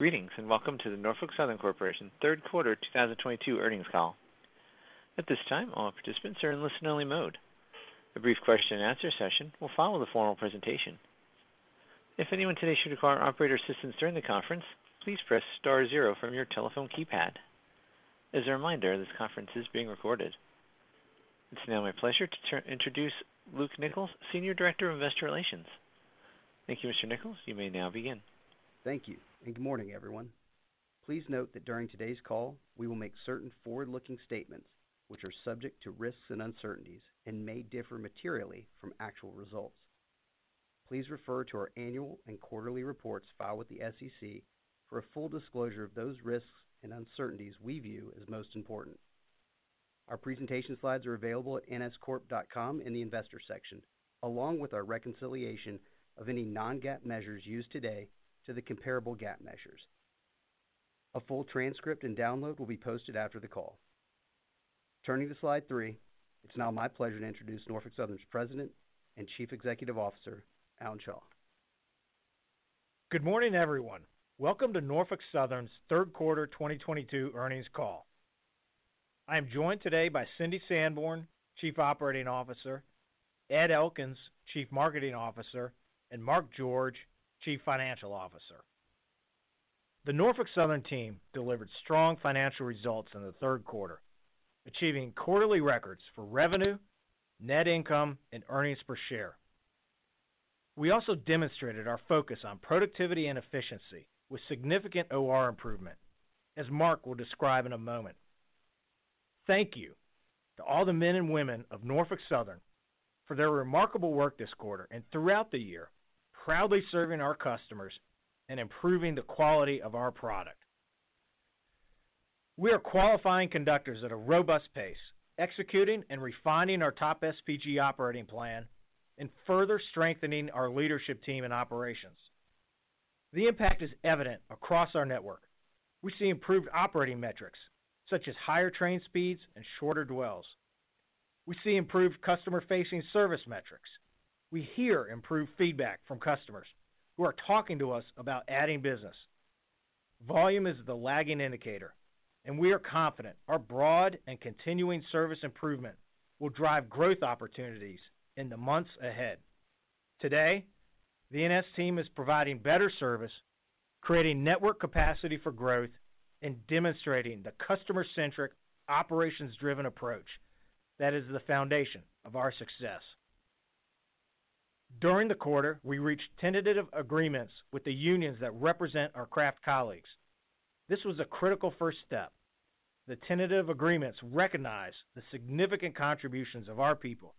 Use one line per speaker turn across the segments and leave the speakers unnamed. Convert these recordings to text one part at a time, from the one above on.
Greetings, and welcome to the Norfolk Southern Corporation third quarter 2022 earnings call. At this time, all participants are in listen-only mode. A brief question and answer session will follow the formal presentation. If anyone today should require operator assistance during the conference, please press star zero from your telephone keypad. As a reminder, this conference is being recorded. It's now my pleasure to introduce Luke Nichols, Senior Director of Investor Relations. Thank you, Mr. Nichols. You may now begin.
Thank you, and good morning, everyone. Please note that during today's call, we will make certain forward-looking statements which are subject to risks and uncertainties and may differ materially from actual results. Please refer to our annual and quarterly reports filed with the SEC for a full disclosure of those risks and uncertainties we view as most important. Our presentation slides are available at nscorp.com in the Investor section, along with our reconciliation of any non-GAAP measures used today to the comparable GAAP measures. A full transcript and download will be posted after the call. Turning to slide three, it's now my pleasure to introduce Norfolk Southern's President and Chief Executive Officer, Alan Shaw.
Good morning, everyone. Welcome to Norfolk Southern's third quarter 2022 earnings call. I am joined today by Cindy Sanborn, Chief Operating Officer, Ed Elkins, Chief Marketing Officer, and Mark George, Chief Financial Officer. The Norfolk Southern team delivered strong financial results in the third quarter, achieving quarterly records for revenue, net income, and earnings per share. We also demonstrated our focus on productivity and efficiency with significant OR improvement, as Mark will describe in a moment. Thank you to all the men and women of Norfolk Southern for their remarkable work this quarter and throughout the year, proudly serving our customers and improving the quality of our product. We are qualifying conductors at a robust pace, executing and refining our TOP|SPG operating plan and further strengthening our leadership team and operations. The impact is evident across our network. We see improved operating metrics, such as higher train speeds and shorter dwells. We see improved customer-facing service metrics. We hear improved feedback from customers who are talking to us about adding business. Volume is the lagging indicator, and we are confident our broad and continuing service improvement will drive growth opportunities in the months ahead. Today, the NS team is providing better service, creating network capacity for growth, and demonstrating the customer-centric, operations-driven approach that is the foundation of our success. During the quarter, we reached tentative agreements with the unions that represent our craft colleagues. This was a critical first step. The tentative agreements recognize the significant contributions of our people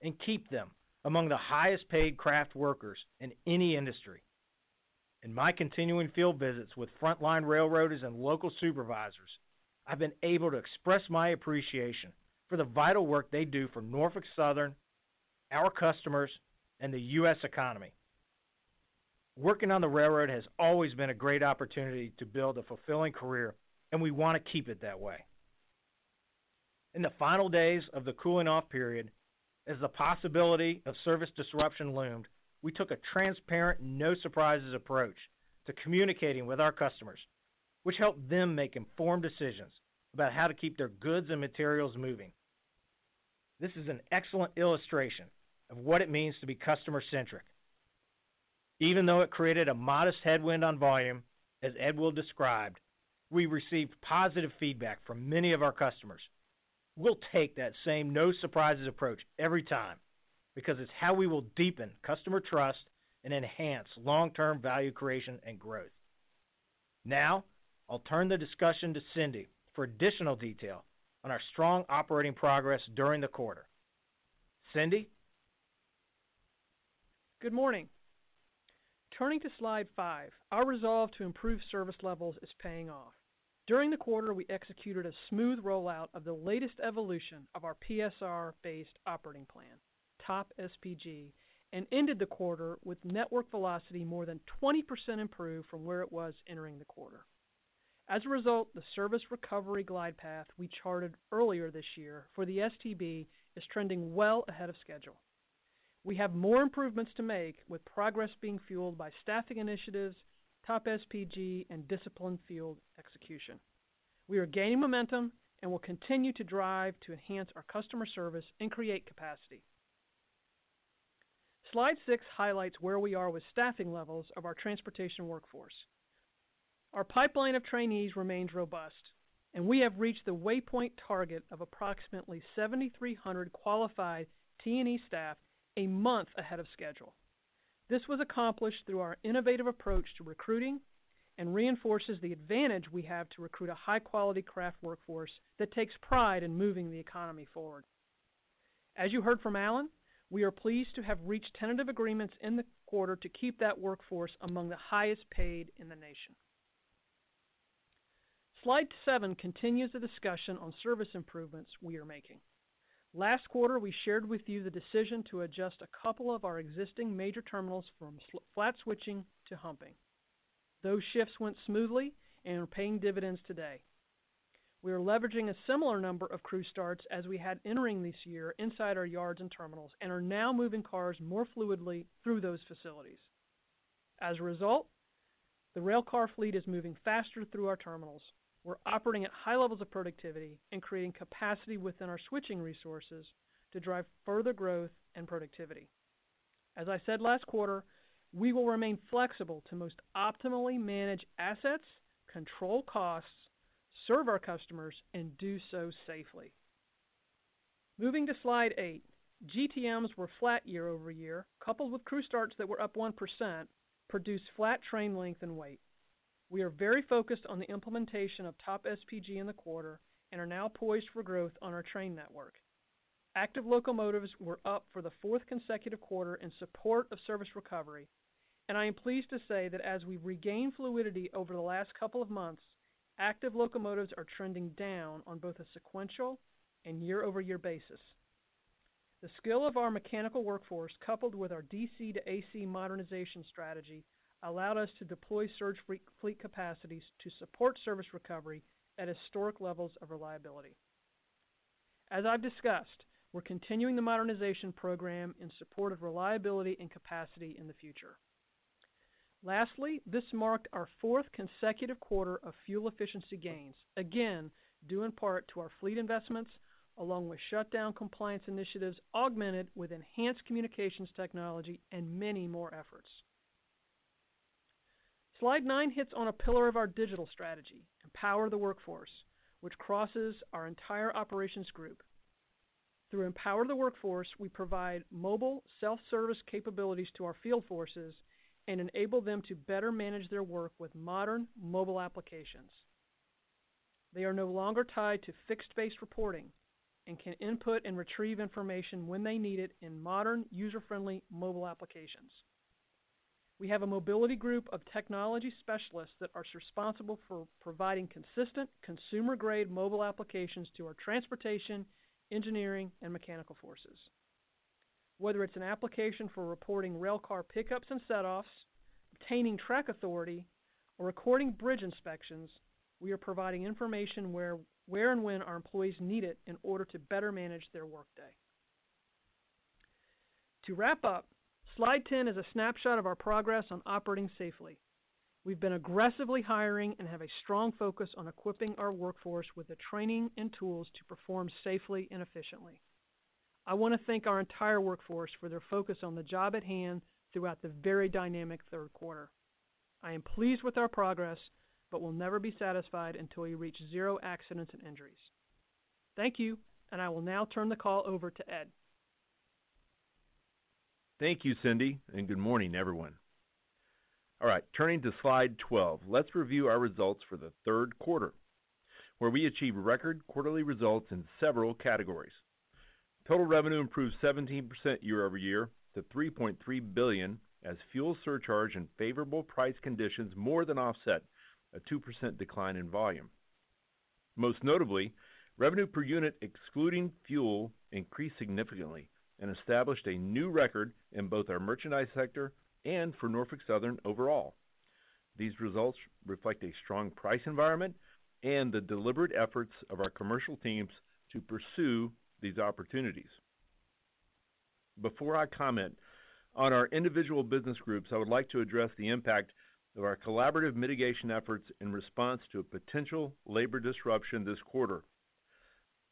and keep them among the highest-paid craft workers in any industry. In my continuing field visits with frontline railroaders and local supervisors, I've been able to express my appreciation for the vital work they do for Norfolk Southern, our customers, and the U.S. economy. Working on the railroad has always been a great opportunity to build a fulfilling career, and we want to keep it that way. In the final days of the cooling-off period, as the possibility of service disruption loomed, we took a transparent, no-surprises approach to communicating with our customers, which helped them make informed decisions about how to keep their goods and materials moving. This is an excellent illustration of what it means to be customer-centric. Even though it created a modest headwind on volume, as Ed will describe, we received positive feedback from many of our customers. We'll take that same no-surprises approach every time because it's how we will deepen customer trust and enhance long-term value creation and growth. Now, I'll turn the discussion to Cindy for additional detail on our strong operating progress during the quarter. Cindy?
Good morning. Turning to slide five, our resolve to improve service levels is paying off. During the quarter, we executed a smooth rollout of the latest evolution of our PSR-based operating plan, TOP|SPG, and ended the quarter with network velocity more than 20% improved from where it was entering the quarter. As a result, the service recovery glide path we charted earlier this year for the STB is trending well ahead of schedule. We have more improvements to make, with progress being fueled by staffing initiatives, TOP|SPG, and disciplined field execution. We are gaining momentum and will continue to drive to enhance our customer service and create capacity. Slide six highlights where we are with staffing levels of our transportation workforce. Our pipeline of trainees remains robust, and we have reached the waypoint target of approximately 7,300 qualified T&E staff a month ahead of schedule. This was accomplished through our innovative approach to recruiting and reinforces the advantage we have to recruit a high-quality craft workforce that takes pride in moving the economy forward. As you heard from Alan, we are pleased to have reached tentative agreements in the quarter to keep that workforce among the highest-paid in the nation. Slide seven continues the discussion on service improvements we are making. Last quarter, we shared with you the decision to adjust a couple of our existing major terminals from flat switching to humping. Those shifts went smoothly and are paying dividends today. We are leveraging a similar number of crew starts as we had entering this year inside our yards and terminals, and are now moving cars more fluidly through those facilities. As a result, the rail car fleet is moving faster through our terminals. We're operating at high levels of productivity and creating capacity within our switching resources to drive further growth and productivity. As I said last quarter, we will remain flexible to most optimally manage assets, control costs, serve our customers, and do so safely. Moving to slide eight, GTMs were flat year-over-year, coupled with crew starts that were up 1%, produced flat train length and weight. We are very focused on the implementation of TOP|SPG in the quarter and are now poised for growth on our train network. Active locomotives were up for the fourth consecutive quarter in support of service recovery, and I am pleased to say that as we regain fluidity over the last couple of months, active locomotives are trending down on both a sequential and year-over-year basis. The skill of our mechanical workforce, coupled with our DC to AC modernization strategy, allowed us to deploy surge fleet capacities to support service recovery at historic levels of reliability. As I've discussed, we're continuing the modernization program in support of reliability and capacity in the future. Lastly, this marked our fourth consecutive quarter of fuel efficiency gains, again, due in part to our fleet investments, along with shutdown compliance initiatives augmented with enhanced communications technology and many more efforts. Slide nine hits on a pillar of our digital strategy, Empower the Workforce, which crosses our entire operations group. Through Empower the Workforce, we provide mobile self-service capabilities to our field forces and enable them to better manage their work with modern mobile applications. They are no longer tied to fixed-based reporting and can input and retrieve information when they need it in modern, user-friendly mobile applications. We have a mobility group of technology specialists that are responsible for providing consistent, consumer-grade mobile applications to our transportation, engineering, and mechanical forces. Whether it's an application for reporting rail car pickups and set offs, obtaining track authority, or recording bridge inspections, we are providing information where and when our employees need it in order to better manage their workday. To wrap up, slide 10 is a snapshot of our progress on operating safely. We've been aggressively hiring and have a strong focus on equipping our workforce with the training and tools to perform safely and efficiently. I want to thank our entire workforce for their focus on the job at hand throughout the very dynamic third quarter. I am pleased with our progress, but we'll never be satisfied until we reach zero accidents and injuries. Thank you, and I will now turn the call over to Ed.
Thank you, Cindy, and good morning, everyone. All right, turning to slide 12, let's review our results for the third quarter, where we achieved record quarterly results in several categories. Total revenue improved 17% year-over-year to $3.3 billion as fuel surcharge and favorable price conditions more than offset a 2% decline in volume. Most notably, revenue per unit, excluding fuel, increased significantly and established a new record in both our Merchandise sector and for Norfolk Southern overall. These results reflect a strong price environment and the deliberate efforts of our commercial teams to pursue these opportunities. Before I comment on our individual business groups, I would like to address the impact of our collaborative mitigation efforts in response to a potential labor disruption this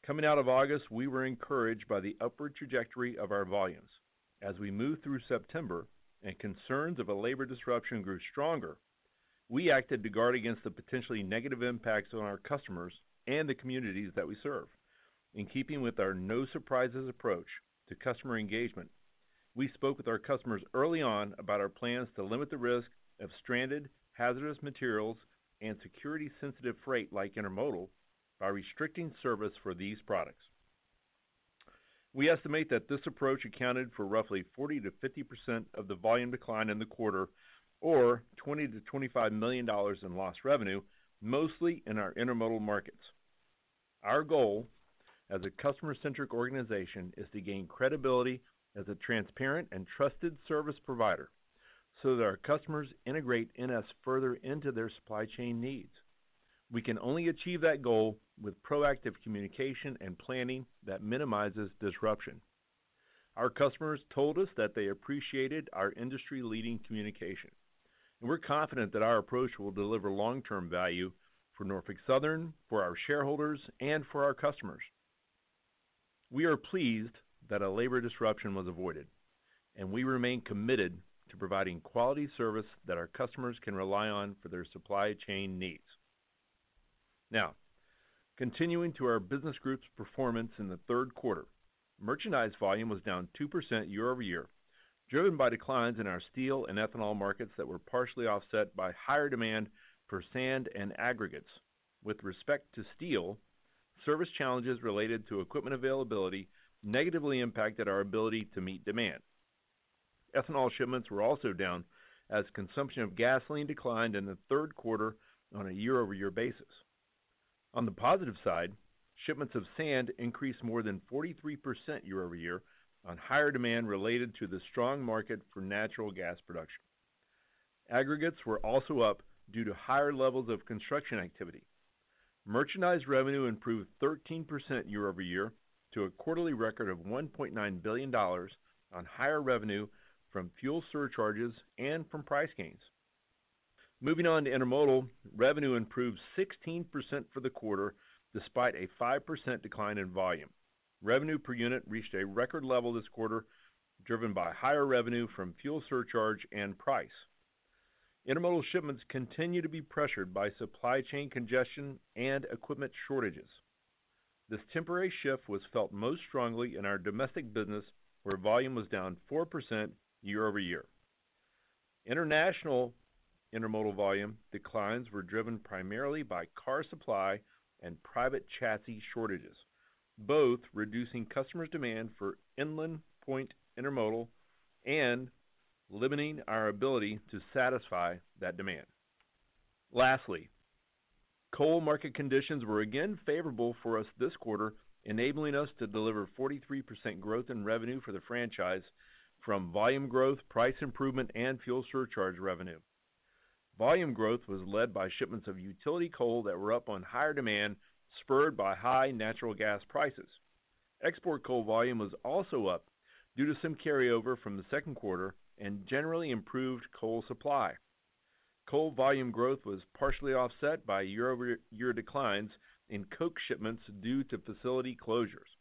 quarter. Coming out of August, we were encouraged by the upward trajectory of our volumes. As we moved through September and concerns of a labor disruption grew stronger, we acted to guard against the potentially negative impacts on our customers and the communities that we serve. In keeping with our no surprises approach to customer engagement, we spoke with our customers early on about our plans to limit the risk of stranded hazardous materials and security-sensitive freight like intermodal by restricting service for these products. We estimate that this approach accounted for roughly 40%-50% of the volume decline in the quarter or $20 million-$25 million in lost revenue, mostly in our intermodal markets. Our goal as a customer-centric organization is to gain credibility as a transparent and trusted service provider so that our customers integrate NS further into their supply chain needs. We can only achieve that goal with proactive communication and planning that minimizes disruption. Our customers told us that they appreciated our industry-leading communication, and we're confident that our approach will deliver long-term value for Norfolk Southern, for our shareholders, and for our customers. We are pleased that a labor disruption was avoided, and we remain committed to providing quality service that our customers can rely on for their supply chain needs. Now, continuing to our business groups' performance in the third quarter, Merchandise volume was down 2% year-over-year, driven by declines in our steel and ethanol markets that were partially offset by higher demand for sand and aggregates. With respect to steel, service challenges related to equipment availability negatively impacted our ability to meet demand. Ethanol shipments were also down as consumption of gasoline declined in the third quarter on a year-over-year basis. On the positive side, shipments of sand increased more than 43% year-over-year on higher demand related to the strong market for natural gas production. Aggregates were also up due to higher levels of construction activity. Merchandise revenue improved 13% year-over-year to a quarterly record of $1.9 billion on higher revenue from fuel surcharges and from price gains. Moving on to Intermodal, revenue improved 16% for the quarter despite a 5% decline in volume. Revenue per unit reached a record level this quarter, driven by higher revenue from fuel surcharge and price. Intermodal shipments continue to be pressured by supply chain congestion and equipment shortages. This temporary shift was felt most strongly in our domestic business, where volume was down 4% year-over-year. International intermodal volume declines were driven primarily by car supply and private chassis shortages, both reducing customers' demand for inland point intermodal and limiting our ability to satisfy that demand. Lastly, coal market conditions were again favorable for us this quarter, enabling us to deliver 43% growth in revenue for the franchise from volume growth, price improvement, and fuel surcharge revenue. Volume growth was led by shipments of utility coal that were up on higher demand, spurred by high natural gas prices. Export coal volume was also up due to some carryover from the second quarter and generally improved coal supply. Coal volume growth was partially offset by year-over-year declines in coke shipments due to facility closures.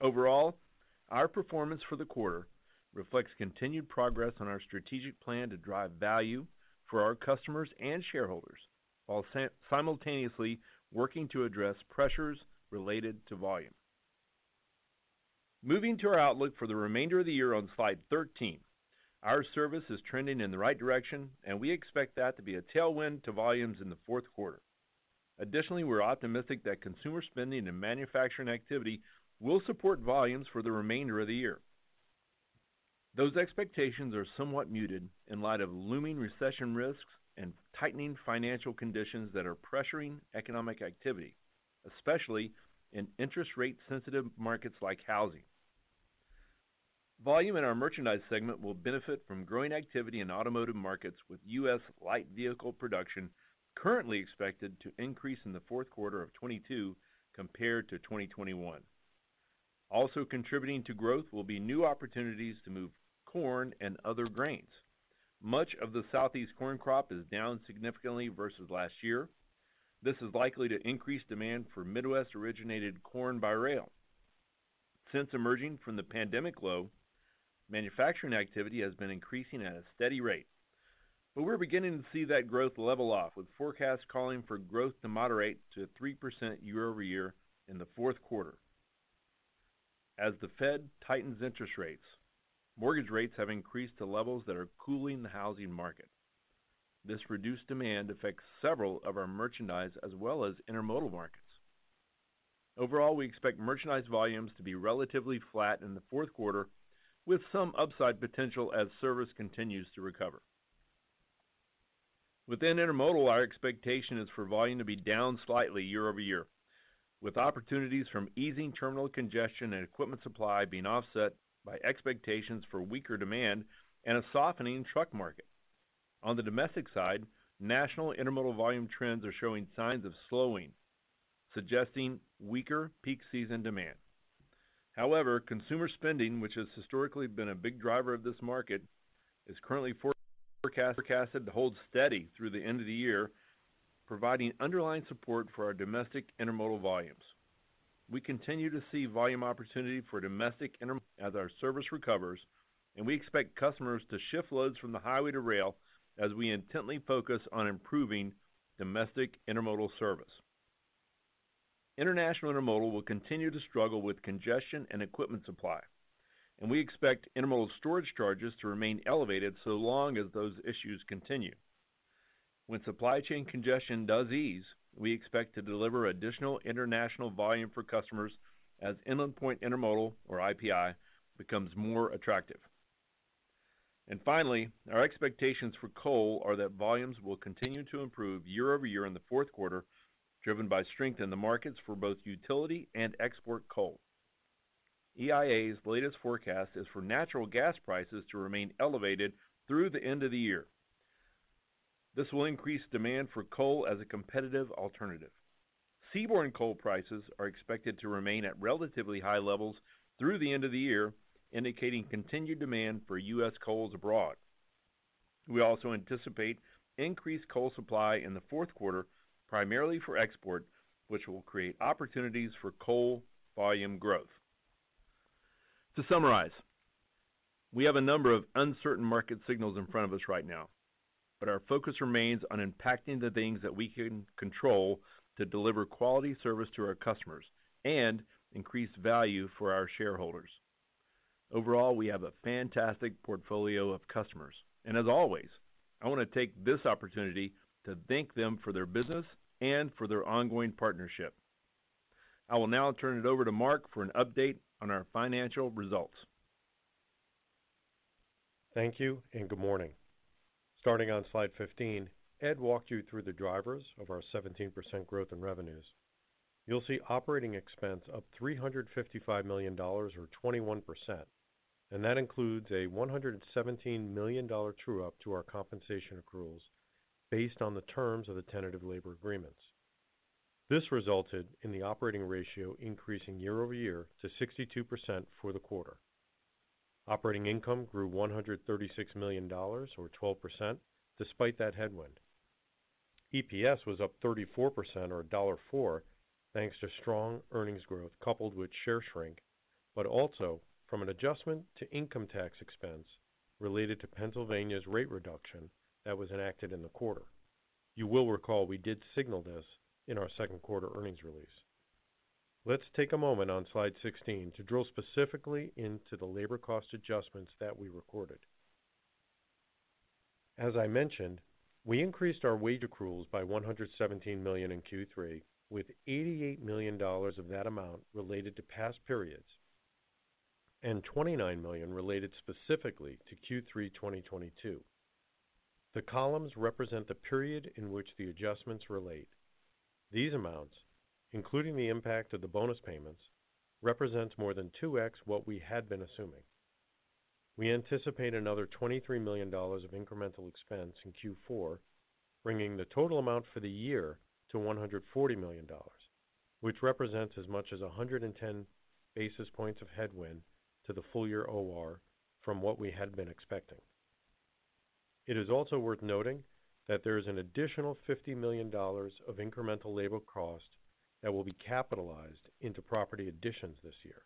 Overall, our performance for the quarter reflects continued progress on our strategic plan to drive value for our customers and shareholders while simultaneously working to address pressures related to volume. Moving to our outlook for the remainder of the year on slide 13, our service is trending in the right direction and we expect that to be a tailwind to volumes in the fourth quarter. Additionally, we're optimistic that consumer spending and manufacturing activity will support volumes for the remainder of the year. Those expectations are somewhat muted in light of looming recession risks and tightening financial conditions that are pressuring economic activity, especially in interest rate sensitive markets like housing. Volume in our Merchandise segment will benefit from growing activity in automotive markets, with U.S. light vehicle production currently expected to increase in the fourth quarter of 2022 compared to 2021. Also contributing to growth will be new opportunities to move corn and other grains. Much of the Southeast corn crop is down significantly versus last year. This is likely to increase demand for Midwest-originated corn by rail. Since emerging from the pandemic low, manufacturing activity has been increasing at a steady rate, but we're beginning to see that growth level off, with forecasts calling for growth to moderate to 3% year-over-year in the fourth quarter. As the Fed tightens interest rates, mortgage rates have increased to levels that are cooling the housing market. This reduced demand affects several of our Merchandise as well as intermodal markets. Overall, we expect Merchandise volumes to be relatively flat in the fourth quarter, with some upside potential as service continues to recover. Within Intermodal, our expectation is for volume to be down slightly year-over-year, with opportunities from easing terminal congestion and equipment supply being offset by expectations for weaker demand and a softening truck market. On the domestic side, national intermodal volume trends are showing signs of slowing, suggesting weaker peak season demand. However, consumer spending, which has historically been a big driver of this market, is currently forecasted to hold steady through the end of the year, providing underlying support for our domestic intermodal volumes. We continue to see volume opportunity for domestic intermodal as our service recovers, and we expect customers to shift loads from the highway to rail as we intently focus on improving domestic intermodal service. International intermodal will continue to struggle with congestion and equipment supply, and we expect intermodal storage charges to remain elevated so long as those issues continue. When supply chain congestion does ease, we expect to deliver additional international volume for customers as inland point intermodal, or IPI, becomes more attractive. Finally, our expectations for Coal are that volumes will continue to improve year-over-year in the fourth quarter, driven by strength in the markets for both utility and export coal. EIA's latest forecast is for natural gas prices to remain elevated through the end of the year. This will increase demand for coal as a competitive alternative. Seaborne coal prices are expected to remain at relatively high levels through the end of the year, indicating continued demand for U.S. coals abroad. We also anticipate increased coal supply in the fourth quarter, primarily for export, which will create opportunities for coal volume growth. To summarize, we have a number of uncertain market signals in front of us right now, but our focus remains on impacting the things that we can control to deliver quality service to our customers and increase value for our shareholders. Overall, we have a fantastic portfolio of customers and as always, I want to take this opportunity to thank them for their business and for their ongoing partnership. I will now turn it over to Mark for an update on our financial results.
Thank you and good morning. Starting on slide 15, Ed walked you through the drivers of our 17% growth in revenues. You'll see operating expense up $355 million or 21%, and that includes a $117 million true-up to our compensation accruals based on the terms of the tentative labor agreements. This resulted in the operating ratio increasing year-over-year to 62% for the quarter. Operating income grew $136 million or 12% despite that headwind. EPS was up 34% or $1.04, thanks to strong earnings growth coupled with share shrink, but also from an adjustment to income tax expense related to Pennsylvania's rate reduction that was enacted in the quarter. You will recall we did signal this in our second quarter earnings release. Let's take a moment on slide 16 to drill specifically into the labor cost adjustments that we recorded. As I mentioned, we increased our wage accruals by $117 million in Q3, with $88 million of that amount related to past periods, and $29 million related specifically to Q3 2022. The columns represent the period in which the adjustments relate. These amounts, including the impact of the bonus payments, represents more than 2x what we had been assuming. We anticipate another $23 million of incremental expense in Q4, bringing the total amount for the year to $140 million, which represents as much as 110 basis points of headwind to the full year OR from what we had been expecting. It is also worth noting that there is an additional $50 million of incremental labor cost that will be capitalized into property additions this year.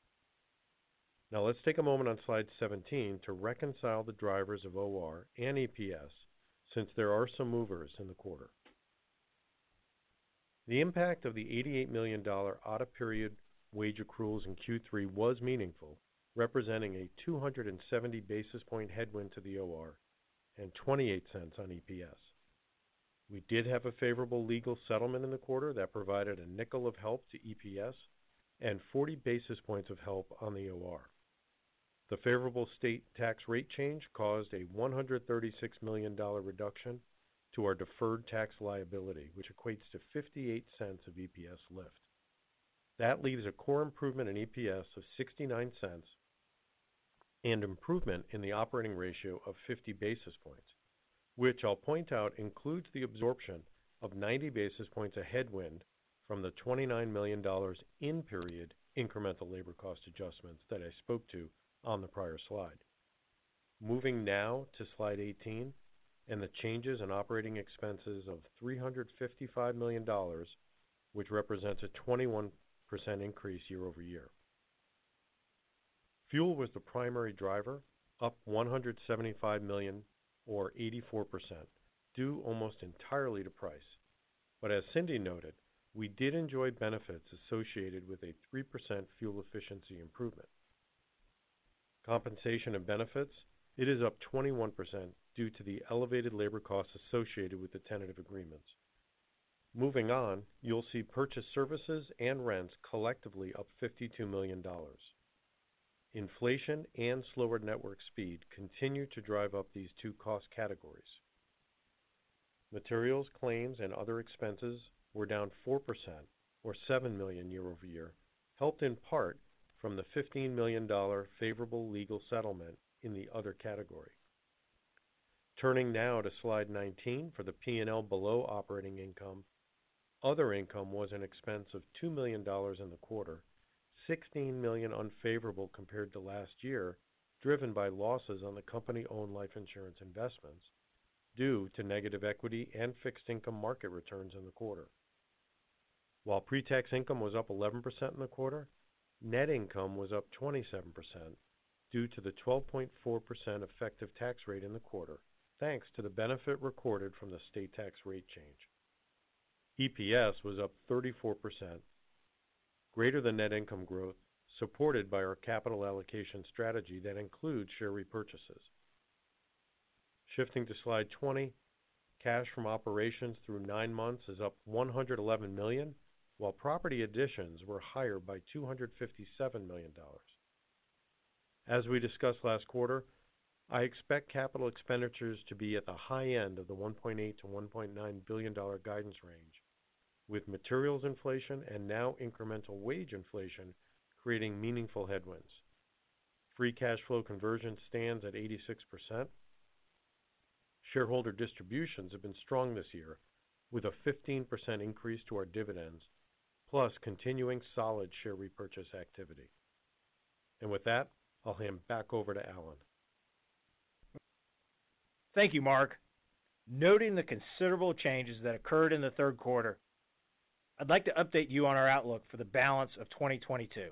Now, let's take a moment on slide 17 to reconcile the drivers of OR and EPS, since there are some movers in the quarter. The impact of the $88 million out-of-period wage accruals in Q3 was meaningful, representing a 270 basis point headwind to the OR and $0.28 on EPS. We did have a favorable legal settlement in the quarter that provided $0.05 of help to EPS and 40 basis points of help on the OR. The favorable state tax rate change caused a $136 million reduction to our deferred tax liability, which equates to $0.58 of EPS lift. That leaves a core improvement in EPS of $0.69 and improvement in the operating ratio of 50 basis points, which I'll point out includes the absorption of 90 basis points of headwind from the $29 million in period incremental labor cost adjustments that I spoke to on the prior slide. Moving now to slide 18 and the changes in operating expenses of $355 million, which represents a 21% increase year-over-year. Fuel was the primary driver, up $175 million or 84%, due almost entirely to price. As Cindy noted, we did enjoy benefits associated with a 3% fuel efficiency improvement. Compensation and benefits, it is up 21% due to the elevated labor costs associated with the tentative agreements. Moving on, you'll see purchased services and rents collectively up $52 million. Inflation and slower network speed continue to drive up these two cost categories. Materials, claims, and other expenses were down 4% or $7 million year-over-year, helped in part from the $15 million favorable legal settlement in the other category. Turning now to slide 19 for the P&L below operating income. Other income was an expense of $2 million in the quarter, $16 million unfavorable compared to last year, driven by losses on the company-owned life insurance investments due to negative equity and fixed income market returns in the quarter. While pre-tax income was up 11% in the quarter, net income was up 27% due to the 12.4% effective tax rate in the quarter, thanks to the benefit recorded from the state tax rate change. EPS was up 34% greater than net income growth, supported by our capital allocation strategy that includes share repurchases. Shifting to slide 20, cash from operations through nine months is up $111 million, while property additions were higher by $257 million. As we discussed last quarter, I expect capital expenditures to be at the high end of the $1.8 million-$1.9 billion guidance range, with materials inflation and now incremental wage inflation creating meaningful headwinds. Free cash flow conversion stands at 86%. Shareholder distributions have been strong this year with a 15% increase to our dividends plus continuing solid share repurchase activity. With that, I'll hand back over to Alan.
Thank you, Mark. Noting the considerable changes that occurred in the third quarter, I'd like to update you on our outlook for the balance of 2022.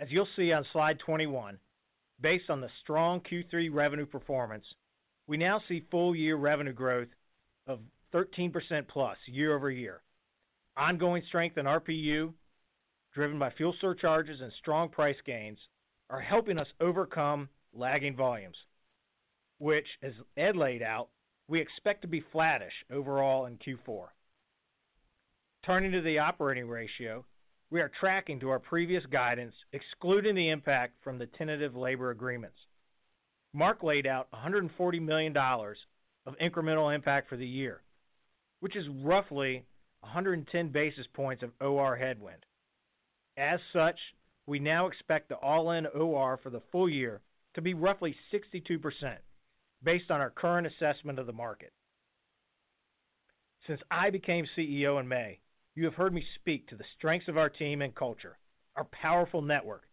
As you'll see on slide 21, based on the strong Q3 revenue performance, we now see full year revenue growth of 13%+ year-over-year. Ongoing strength in RPU, driven by fuel surcharges and strong price gains, are helping us overcome lagging volumes, which as Ed laid out, we expect to be flattish overall in Q4. Turning to the operating ratio, we are tracking to our previous guidance, excluding the impact from the tentative labor agreements. Mark laid out $140 million of incremental impact for the year, which is roughly 110 basis points of OR headwind. As such, we now expect the all-in OR for the full year to be roughly 62% based on our current assessment of the market. Since I became CEO in May, you have heard me speak to the strengths of our team and culture, our powerful network,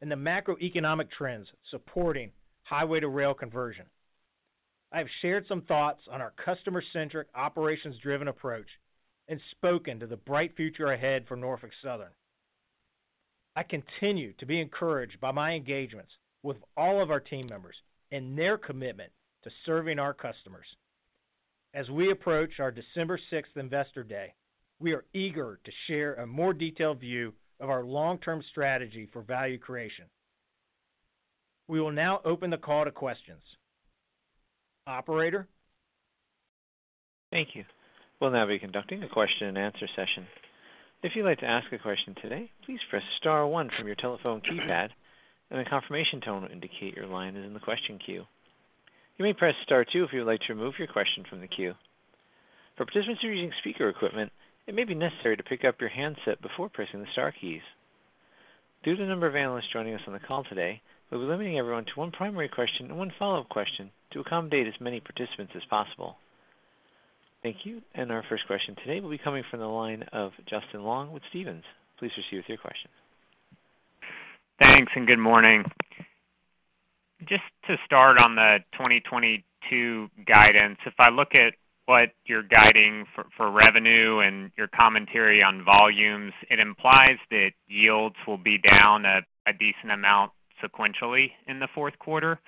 and the macroeconomic trends supporting highway-to-rail conversion. I have shared some thoughts on our customer-centric, operations-driven approach and spoken to the bright future ahead for Norfolk Southern. I continue to be encouraged by my engagements with all of our team members and their commitment to serving our customers. As we approach our December 6th, 2022 Investor Day, we are eager to share a more detailed view of our long-term strategy for value creation. We will now open the call to questions. Operator?
Thank you. We'll now be conducting a question-and-answer session. If you'd like to ask a question today, please press star one from your telephone keypad, and a confirmation tone will indicate your line is in the question queue. You may press star two if you would like to remove your question from the queue. For participants who are using speaker equipment, it may be necessary to pick up your handset before pressing the star keys. Due to the number of analysts joining us on the call today, we'll be limiting everyone to one primary question and one follow-up question to accommodate as many participants as possible. Thank you. Our first question today will be coming from the line of Justin Long with Stephens. Please proceed with your question.
Thanks, good morning. Just to start on the 2022 guidance, if I look at what you're guiding for revenue and your commentary on volumes, it implies that yields will be down at a decent amount sequentially in the fourth quarter.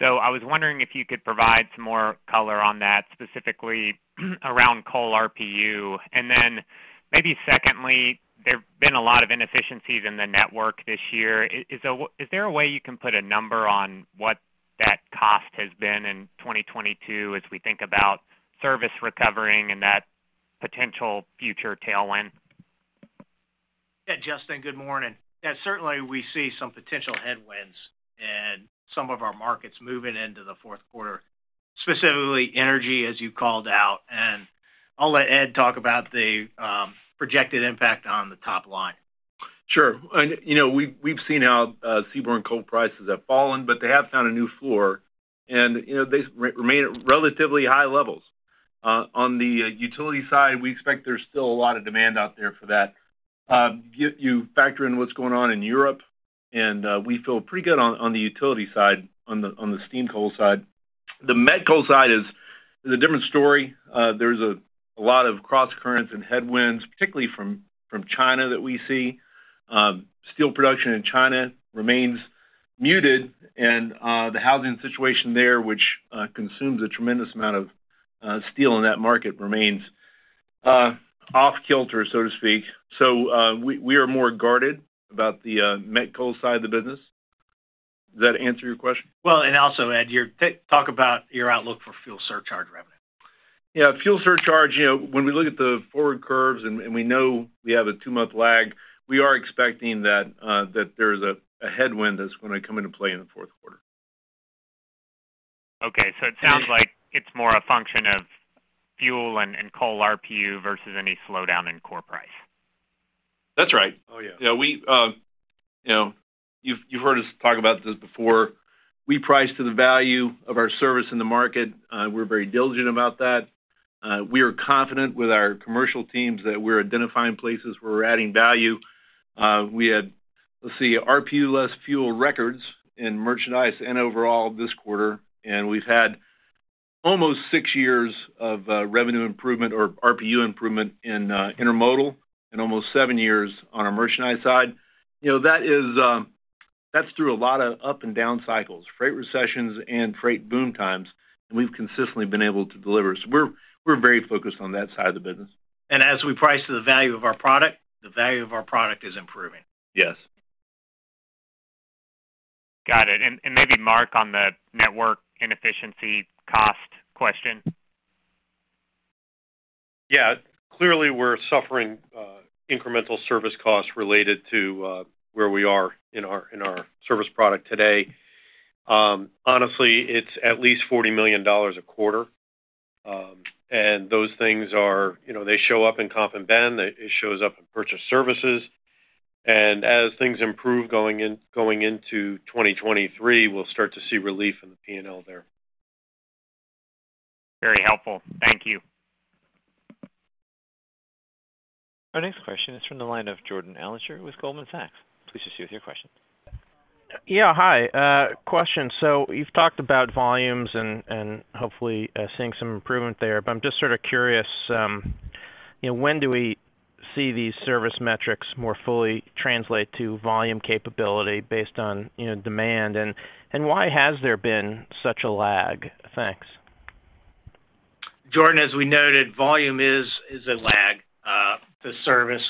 I was wondering if you could provide some more color on that, specifically around Coal RPU. Then maybe secondly, there have been a lot of inefficiencies in the network this year. Is there a way you can put a number on what that cost has been in 2022 as we think about service recovering and that potential future tailwind?
Yeah, Justin, good morning. Yeah, certainly, we see some potential headwinds in some of our markets moving into the fourth quarter, specifically energy, as you called out, and I'll let Ed talk about the projected impact on the top line.
Sure. You know, we've seen how seaborne coal prices have fallen, but they have found a new floor, and you know, they remain at relatively high levels. On the utility side, we expect there's still a lot of demand out there for that. You factor in what's going on in Europe, and we feel pretty good on the utility side, on the steam coal side. The met coal side is a different story. There's a lot of crosscurrents and headwinds, particularly from China that we see. Steel production in China remains muted and the housing situation there, which consumes a tremendous amount of steel in that market, remains off-kilter, so to speak. We are more guarded about the met coal side of the business. Does that answer your question?
Well, Ed, your talk about your outlook for fuel surcharge revenue.
Yeah, fuel surcharge, you know, when we look at the forward curves and we know we have a two-month lag, we are expecting that there's a headwind that's going to come into play in the fourth quarter.
It sounds like it's more a function of fuel and Coal RPU versus any slowdown in core price.
That's right.
Oh, yeah.
Yeah, we, you know, you've heard us talk about this before. We price to the value of our service in the market. We're very diligent about that. We are confident with our commercial teams that we're identifying places where we're adding value. We had, let's see, RPU less fuel records in Merchandise and overall this quarter, and we've had almost six years of revenue improvement or RPU improvement in Intermodal and almost seven years on our Merchandise side. You know, that is, that's through a lot of up and down cycles, freight recessions and freight boom times, and we've consistently been able to deliver. We're very focused on that side of the business.
As we price to the value of our product, the value of our product is improving.
Yes.
Got it. Maybe Mark, on the network inefficiency cost question.
Yeah. Clearly, we're suffering incremental service costs related to where we are in our service product today. Honestly, it's at least $40 million a quarter. Those things, you know, show up in comp and benefits. It shows up in purchased services. As things improve going into 2023, we'll start to see relief in the P&L there.
Very helpful. Thank you.
Our next question is from the line of Jordan Alliger with Goldman Sachs. Please proceed with your question.
Yeah. Hi. Question, so you've talked about volumes and hopefully seeing some improvement there, but I'm just sort of curious, you know, when do we see these service metrics more fully translate to volume capability based on, you know, demand and why has there been such a lag? Thanks.
Jordan, as we noted, volume is a lag to service.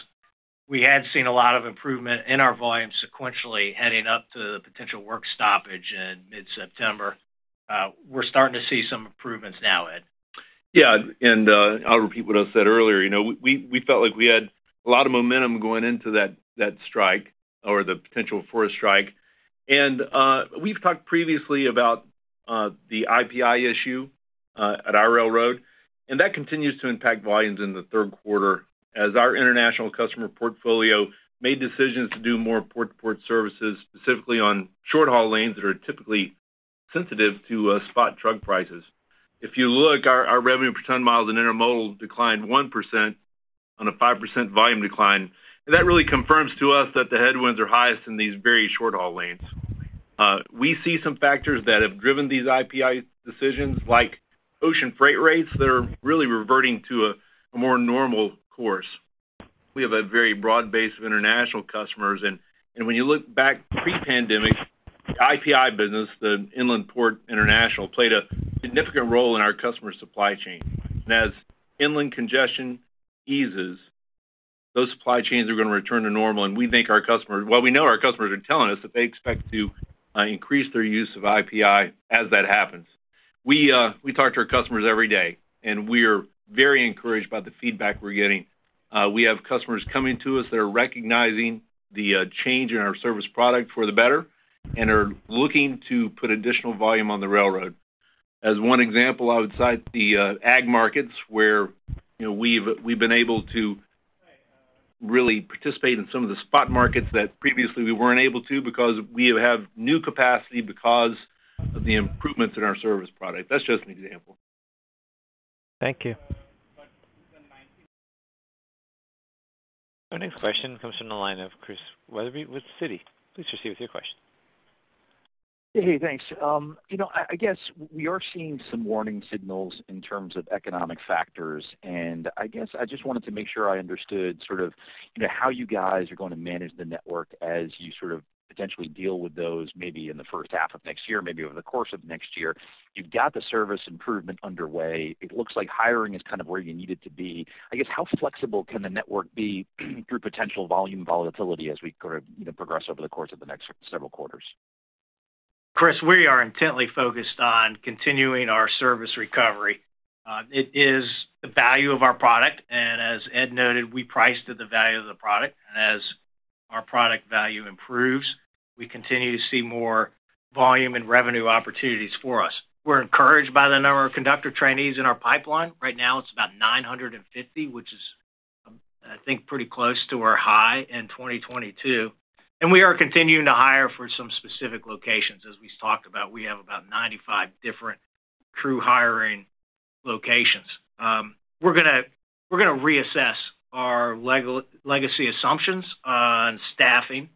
We had seen a lot of improvement in our volume sequentially heading up to the potential work stoppage in mid-September. We're starting to see some improvements now, Ed.
Yeah, I'll repeat what I said earlier. You know, we felt like we had a lot of momentum going into that strike or the potential for a strike. We've talked previously about the IPI issue at our railroad, and that continues to impact volumes in the third quarter as our international customer portfolio made decisions to do more port-to-port services, specifically on short-haul lanes that are typically sensitive to spot truck prices. If you look, our revenue per ton-mile in Intermodal declined 1% on a 5% volume decline. That really confirms to us that the headwinds are highest in these very short-haul lanes. We see some factors that have driven these IPI decisions like ocean freight rates that are really reverting to a more normal course. We have a very broad base of international customers, and when you look back pre-pandemic, the IPI business, the Inland Port International, played a significant role in our customer supply chain. As inland congestion eases, those supply chains are gonna return to normal, and we know our customers are telling us that they expect to increase their use of IPI as that happens. We talk to our customers every day, and we are very encouraged by the feedback we're getting. We have customers coming to us that are recognizing the change in our service product for the better and are looking to put additional volume on the railroad. As one example, outside the ag markets, where, you know, we've been able to really participate in some of the spot markets that previously we weren't able to because we have new capacity because of the improvements in our service product. That's just an example.
Thank you.
Our next question comes from the line of Chris Wetherbee with Citi. Please proceed with your question.
Hey, thanks. You know, I guess we are seeing some warning signals in terms of economic factors, and I guess I just wanted to make sure I understood sort of, you know, how you guys are going to manage the network as you sort of potentially deal with those maybe in the first half of next year, maybe over the course of next year. You've got the service improvement underway. It looks like hiring is kind of where you need it to be. I guess, how flexible can the network be through potential volume volatility as we sort of, you know, progress over the course of the next several quarters?
Chris, we are intently focused on continuing our service recovery. It is the value of our product, and as Ed noted, we price to the value of the product. As our product value improves, we continue to see more volume and revenue opportunities for us. We're encouraged by the number of conductor trainees in our pipeline. Right now, it's about 950, which is, I think, pretty close to our high in 2022. We are continuing to hire for some specific locations. As we talked about, we have about 95 different crew hiring locations. We're gonna reassess our legacy assumptions on staffing,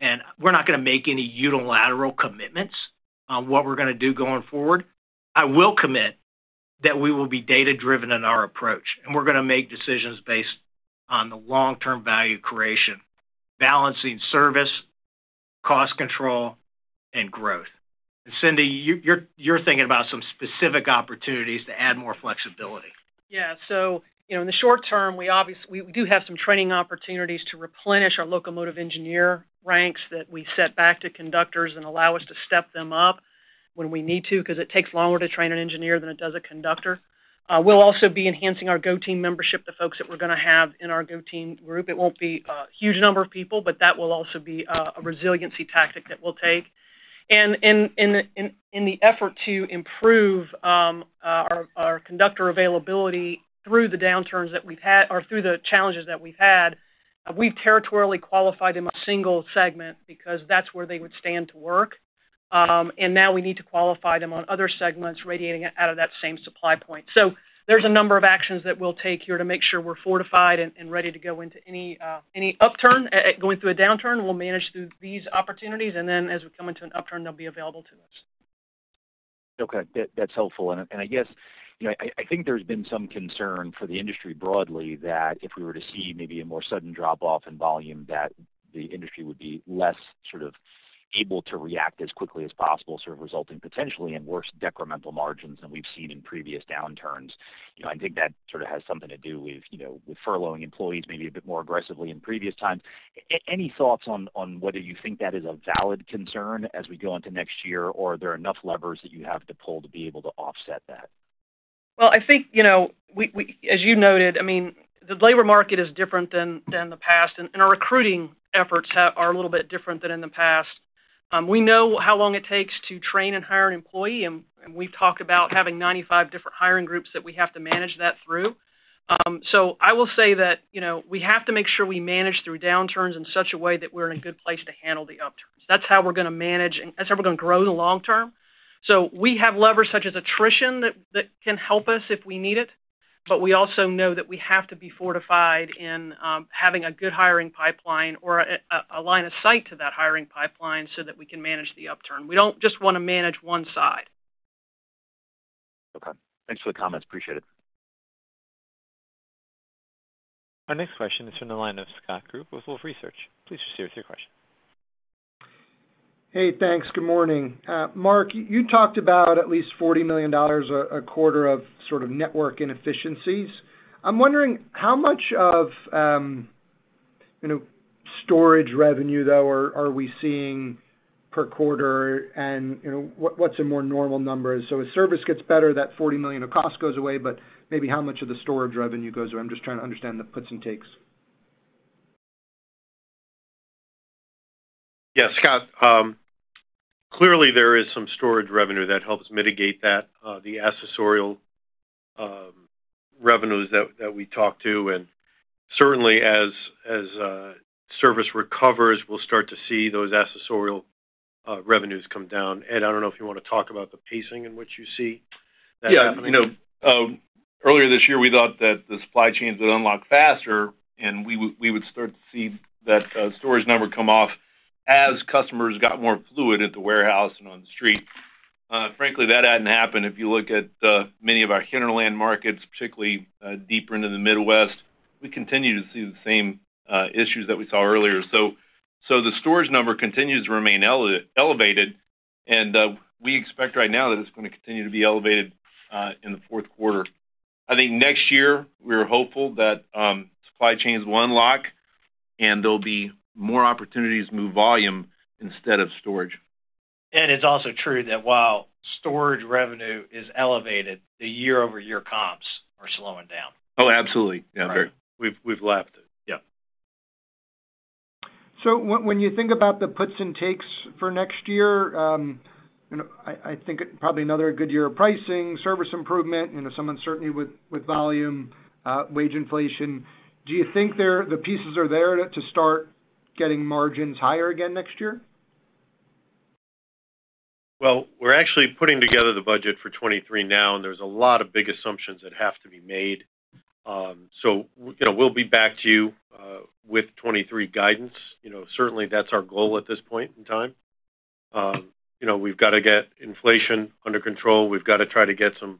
and we're not gonna make any unilateral commitments on what we're gonna do going forward. I will commit that we will be data-driven in our approach, and we're gonna make decisions based on the long-term value creation, balancing service, cost control, and growth. Cindy, you're thinking about some specific opportunities to add more flexibility.
You know, in the short term, we do have some training opportunities to replenish our locomotive engineer ranks that we set back to conductors and allow us to step them up when we need to because it takes longer to train an engineer than it does a conductor. We'll also be enhancing our Go Team membership, the folks that we're gonna have in our Go Team group. It won't be a huge number of people, but that will also be a resiliency tactic that we'll take. In the effort to improve our conductor availability through the downturns that we've had or through the challenges that we've had, we've territorially qualified them a single segment because that's where they would stand to work. Now we need to qualify them on other segments radiating out of that same supply point. There's a number of actions that we'll take here to make sure we're fortified and ready to go into any upturn. Going through a downturn, we'll manage through these opportunities, and then as we come into an upturn, they'll be available to us.
Okay. That’s helpful. I guess, you know, I think there’s been some concern for the industry broadly that if we were to see maybe a more sudden drop-off in volume, that the industry would be less sort of able to react as quickly as possible, sort of resulting potentially in worse decremental margins than we’ve seen in previous downturns. You know, I think that sort of has something to do with, you know, with furloughing employees maybe a bit more aggressively in previous times. Any thoughts on whether you think that is a valid concern as we go into next year, or are there enough levers that you have to pull to be able to offset that?
Well, I think, you know, we as you noted, I mean, the labor market is different than the past, and our recruiting efforts are a little bit different than in the past. We know how long it takes to train and hire an employee, and we've talked about having 95 different hiring groups that we have to manage that through. I will say that, you know, we have to make sure we manage through downturns in such a way that we're in a good place to handle the upturns. That's how we're gonna manage, and that's how we're gonna grow in the long term. We have levers such as attrition that can help us if we need it, but we also know that we have to be fortified in having a good hiring pipeline or a line of sight to that hiring pipeline so that we can manage the upturn. We don't just wanna manage one side.
Okay. Thanks for the comments. Appreciate it.
Our next question is from the line of Scott Group with Wolfe Research. Please proceed with your question.
Hey, thanks. Good morning. Mark, you talked about at least $40 million a quarter of sort of network inefficiencies. I'm wondering how much of, you know, storage revenue though, are we seeing per quarter and, you know, what's a more normal number? As service gets better, that $40 million of cost goes away, but maybe how much of the storage revenue goes away? I'm just trying to understand the puts and takes.
Yes, Scott. Clearly there is some storage revenue that helps mitigate that, the accessorial revenues that we talk to. Certainly, as service recovers, we'll start to see those accessorial revenues come down. Ed, I don't know if you wanna talk about the pacing in which you see that happening.
Yeah. You know, earlier this year, we thought that the supply chains would unlock faster, and we would start to see that storage number come off as customers got more fluid at the warehouse and on the street. Frankly, that hadn't happened. If you look at many of our hinterland markets, particularly deeper into the Midwest, we continue to see the same issues that we saw earlier. The storage number continues to remain elevated, and we expect right now that it's gonna continue to be elevated in the fourth quarter. I think next year we're hopeful that supply chains will unlock, and there'll be more opportunities to move volume instead of storage.
It's also true that while storage revenue is elevated, the year-over-year comps are slowing down.
Oh, absolutely.
Yeah.
We've lapped it.
Yeah.
When you think about the puts and takes for next year, you know, I think probably another good year of pricing, service improvement, you know, some uncertainty with volume, wage inflation. Do you think the pieces are there to start getting margins higher again next year?
Well, we're actually putting together the budget for 2023 now, and there's a lot of big assumptions that have to be made. You know, we'll be back to you with 2023 guidance. You know, certainly, that's our goal at this point in time. You know, we've gotta get inflation under control. We've gotta try to get some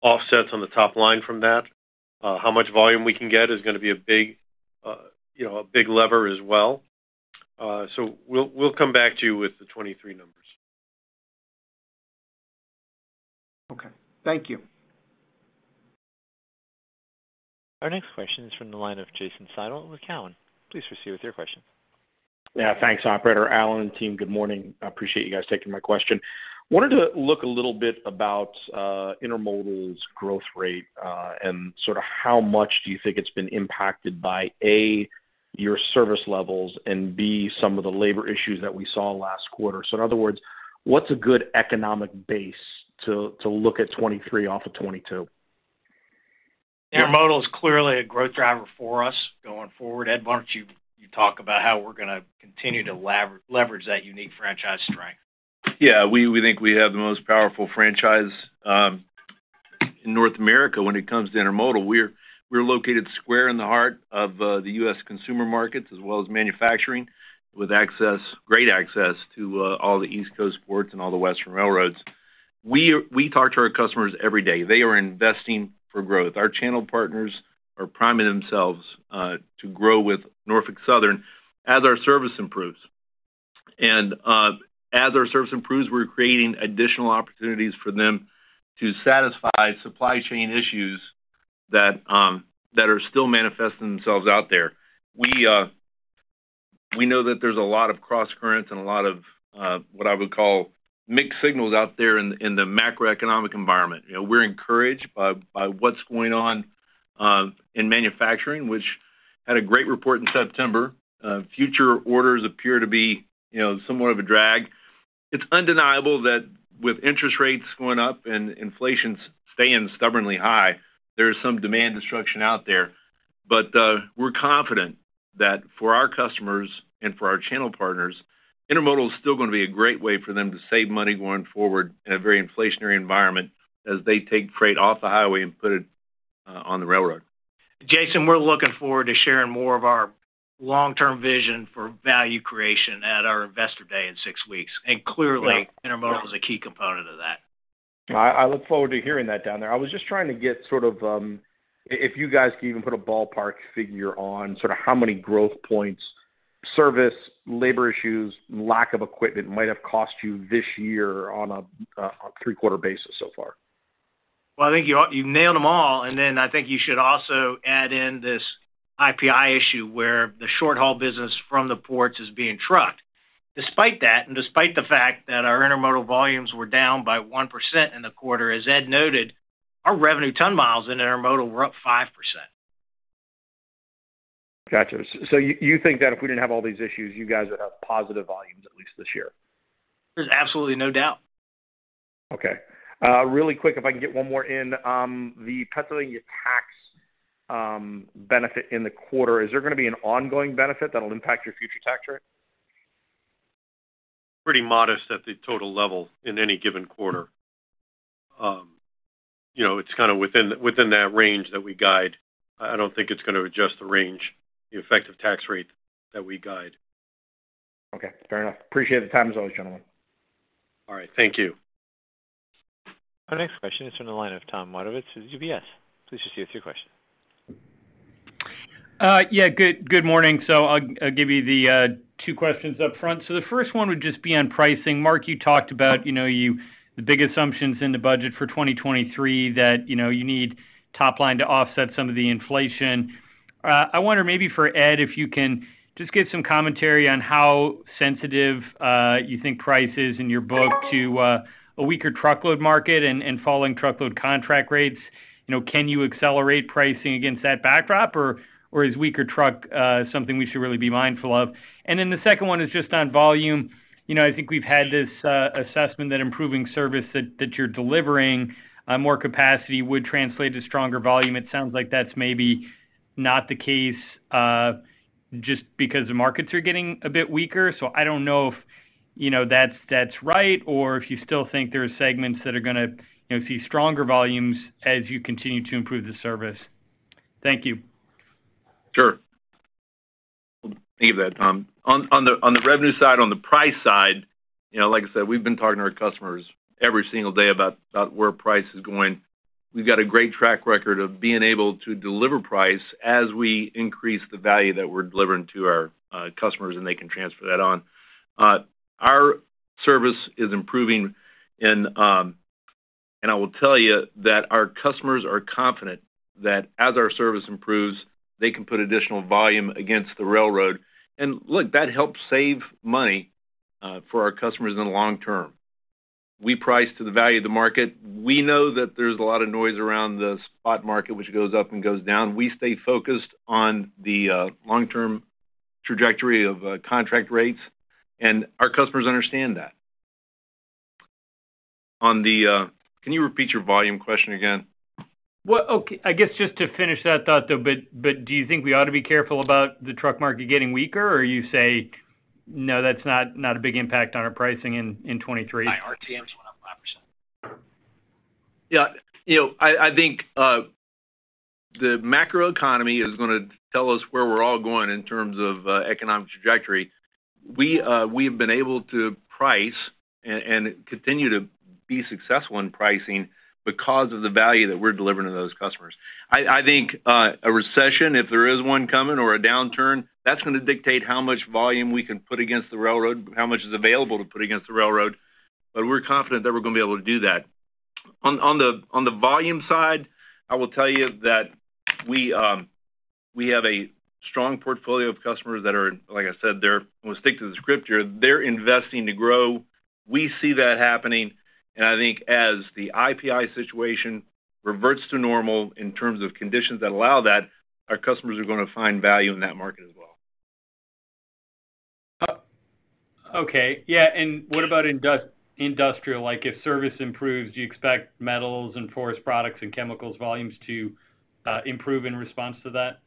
offsets on the top line from that. How much volume we can get is gonna be a big, you know, a big lever as well. We'll come back to you with the 2023 numbers.
Okay. Thank you.
Our next question is from the line of Jason Seidl with Cowen. Please proceed with your question.
Yeah, thanks, operator. Alan and team, good morning. I appreciate you guys taking my question. Wanted to look a little bit about Intermodal's growth rate, and sort of how much do you think it's been impacted by, A, your service levels, and B, some of the labor issues that we saw last quarter. In other words, what's a good economic base to look at 2023 off of 2022?
Intermodal is clearly a growth driver for us going forward. Ed, why don't you talk about how we're gonna continue to leverage that unique franchise strength.
Yeah. We think we have the most powerful franchise in North America when it comes to Intermodal. We're located square in the heart of the U.S. consumer markets as well as manufacturing with access, great access to all the East Coast ports and all the Western railroads. We talk to our customers every day. They are investing for growth. Our channel partners are priming themselves to grow with Norfolk Southern as our service improves. As our service improves, we're creating additional opportunities for them to satisfy supply chain issues that are still manifesting themselves out there. We know that there's a lot of crosscurrents and a lot of what I would call mixed signals out there in the macroeconomic environment. You know, we're encouraged by what's going on in manufacturing, which had a great report in September. Future orders appear to be, you know, somewhat of a drag. It's undeniable that with interest rates going up and inflation staying stubbornly high, there is some demand destruction out there. We're confident that for our customers and for our channel partners, Intermodal is still gonna be a great way for them to save money going forward in a very inflationary environment as they take freight off the highway and put it on the railroad.
Jason, we're looking forward to sharing more of our long-term vision for value creation at our Investor Day in six weeks.
Yeah.
Intermodal is a key component of that.
I look forward to hearing that down there. I was just trying to get sort of if you guys can even put a ballpark figure on sort of how many growth points, service, labor issues, lack of equipment might have cost you this year on a three-quarter basis so far.
Well, I think you nailed them all, and then I think you should also add in this IPI issue, where the short-haul business from the ports is being trucked. Despite that, and despite the fact that our intermodal volumes were down by 1% in the quarter, as Ed noted, our revenue ton miles in Intermodal were up 5%.
Gotcha. You think that if we didn't have all these issues, you guys would have positive volumes at least this year?
There's absolutely no doubt.
Okay. Really quick, if I can get one more in. The Pennsylvania tax benefit in the quarter, is there gonna be an ongoing benefit that'll impact your future tax rate?
Pretty modest at the total level in any given quarter. You know, it's kinda within that range that we guide. I don't think it's gonna adjust the range, the effective tax rate that we guide.
Okay. Fair enough. Appreciate the time as always, gentlemen.
All right. Thank you.
Our next question is from the line of Tom Wadewitz of UBS. Please proceed with your question.
Yeah, good morning. I'll give you the two questions up front. The first one would just be on pricing. Mark, you talked about, you know, the big assumptions in the budget for 2023 that, you know, you need top line to offset some of the inflation. I wonder maybe for Ed, if you can just give some commentary on how sensitive you think price is in your book to a weaker truckload market and following truckload contract rates. You know, can you accelerate pricing against that backdrop or is weaker truck something we should really be mindful of? The second one is just on volume. You know, I think we've had this assessment that improving service that you're delivering more capacity would translate to stronger volume. It sounds like that's maybe not the case, just because the markets are getting a bit weaker. I don't know if, you know, that's right, or if you still think there are segments that are gonna, you know, see stronger volumes as you continue to improve the service? Thank you.
Sure. Thank you for that, Tom. On the revenue side, on the price side, you know, like I said, we've been talking to our customers every single day about where price is going. We've got a great track record of being able to deliver price as we increase the value that we're delivering to our customers, and they can transfer that on. Our service is improving and I will tell you that our customers are confident that as our service improves, they can put additional volume against the railroad. Look, that helps save money for our customers in the long term. We price to the value of the market. We know that there's a lot of noise around the spot market, which goes up and goes down. We stay focused on the long-term trajectory of contract rates, and our customers understand that. Can you repeat your volume question again?
Well, okay. I guess just to finish that thought, though, but do you think we ought to be careful about the truck market getting weaker, or you say, "No, that's not a big impact on our pricing in 2023?
Yeah. You know, I think the macroeconomy is gonna tell us where we're all going in terms of economic trajectory. We've been able to price and continue to be successful in pricing because of the value that we're delivering to those customers. I think a recession, if there is one coming or a downturn, that's gonna dictate how much volume we can put against the railroad, how much is available to put against the railroad, but we're confident that we're gonna be able to do that. On the volume side, I will tell you that we have a strong portfolio of customers that are, like I said, they're investing to grow. We see that happening, and I think as the IPI situation reverts to normal in terms of conditions that allow that, our customers are gonna find value in that market as well.
Okay. Yeah. What about industrial? Like, if service improves, do you expect metals and forest products and chemicals volumes to improve in response to that?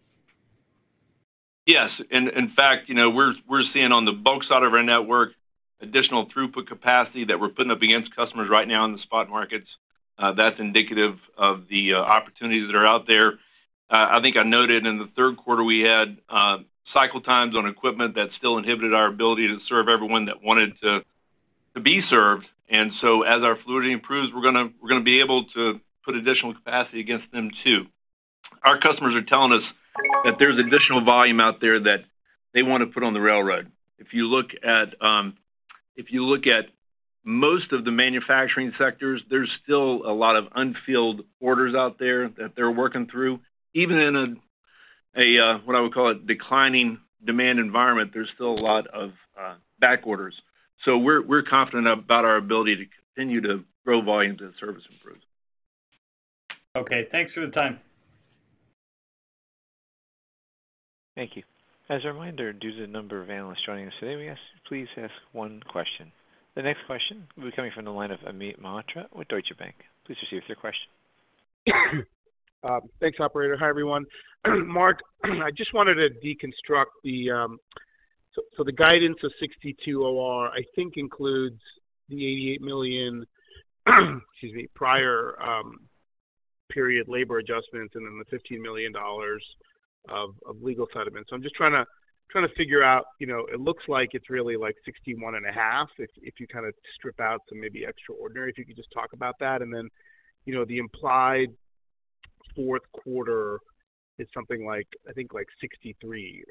Yes. In fact, you know, we're seeing on the bulk side of our network, additional throughput capacity that we're putting up against customers right now in the spot markets, that's indicative of the opportunities that are out there. I think I noted in the third quarter, we had cycle times on equipment that still inhibited our ability to serve everyone that wanted to be served. As our fluidity improves, we're gonna be able to put additional capacity against them, too. Our customers are telling us that there's additional volume out there that they wanna put on the railroad. If you look at most of the manufacturing sectors, there's still a lot of unfilled orders out there that they're working through. Even in a what I would call a declining demand environment, there's still a lot of back orders. We're confident about our ability to continue to grow volumes as service improves.
Okay, thanks for the time.
Thank you. As a reminder, due to the number of analysts joining us today, we ask you please ask one question. The next question will be coming from the line of Amit Mehrotra with Deutsche Bank. Please proceed with your question.
Thanks, operator. Hi, everyone. Mark, I just wanted to deconstruct the guidance of 62 OR. I think it includes the $88 million, excuse me, prior period labor adjustments and then the $15 million of legal settlements. I'm just trying to figure out, you know, it looks like it's really like 61.5 if you kinda strip out some maybe extraordinary. If you could just talk about that. You know, the implied fourth quarter is something like, I think, like 63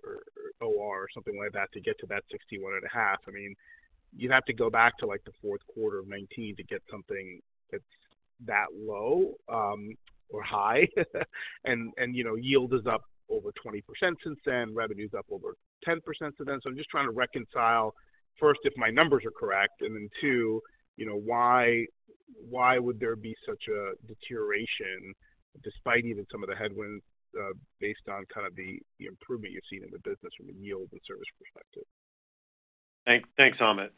OR or something like that to get to that 61.5. I mean, you'd have to go back to like the fourth quarter of 2019 to get something that's that low or high. You know, yield is up over 20% since then. Revenue's up over 10% since then. I'm just trying to reconcile, first, if my numbers are correct, and then two, you know, why would there be such a deterioration despite even some of the headwinds, based on kind of the improvement you're seeing in the business from a yield and service perspective?
Thanks, Amit.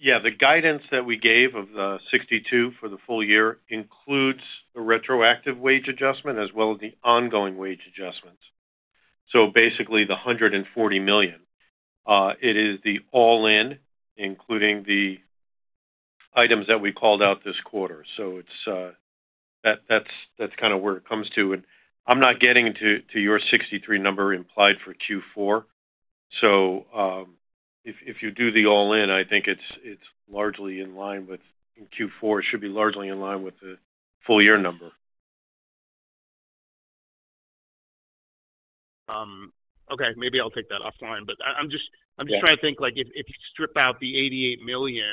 Yeah, the guidance that we gave of the 62 for the full year includes the retroactive wage adjustment as well as the ongoing wage adjustments. Basically, the $140 million. It is the all-in, including the items that we called out this quarter. It's that kind of where it comes to. I'm not getting to your 63 number implied for Q4. If you do the all-in, I think it's largely in line with, in Q4, it should be largely in line with the full year number.
Okay, maybe I'll take that offline. I'm just trying to think, like, if you strip out the $88 million,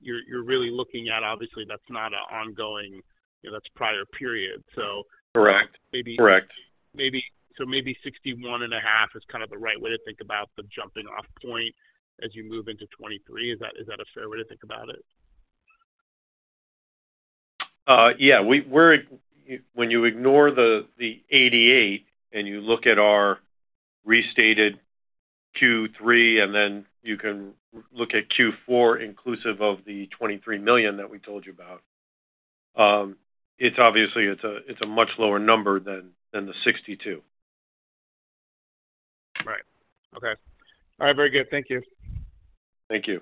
you're really looking at. Obviously, that's not an ongoing, you know, that's prior period.
Correct.
Maybe 61.5 is kind of the right way to think about the jumping off point as you move into 2023. Is that a fair way to think about it?
Yeah. When you ignore the $88 and you look at our restated Q3, and then you can look at Q4 inclusive of the $23 million that we told you about, it's obviously a much lower number than the $62.
Right. Okay. All right, very good. Thank you.
Thank you.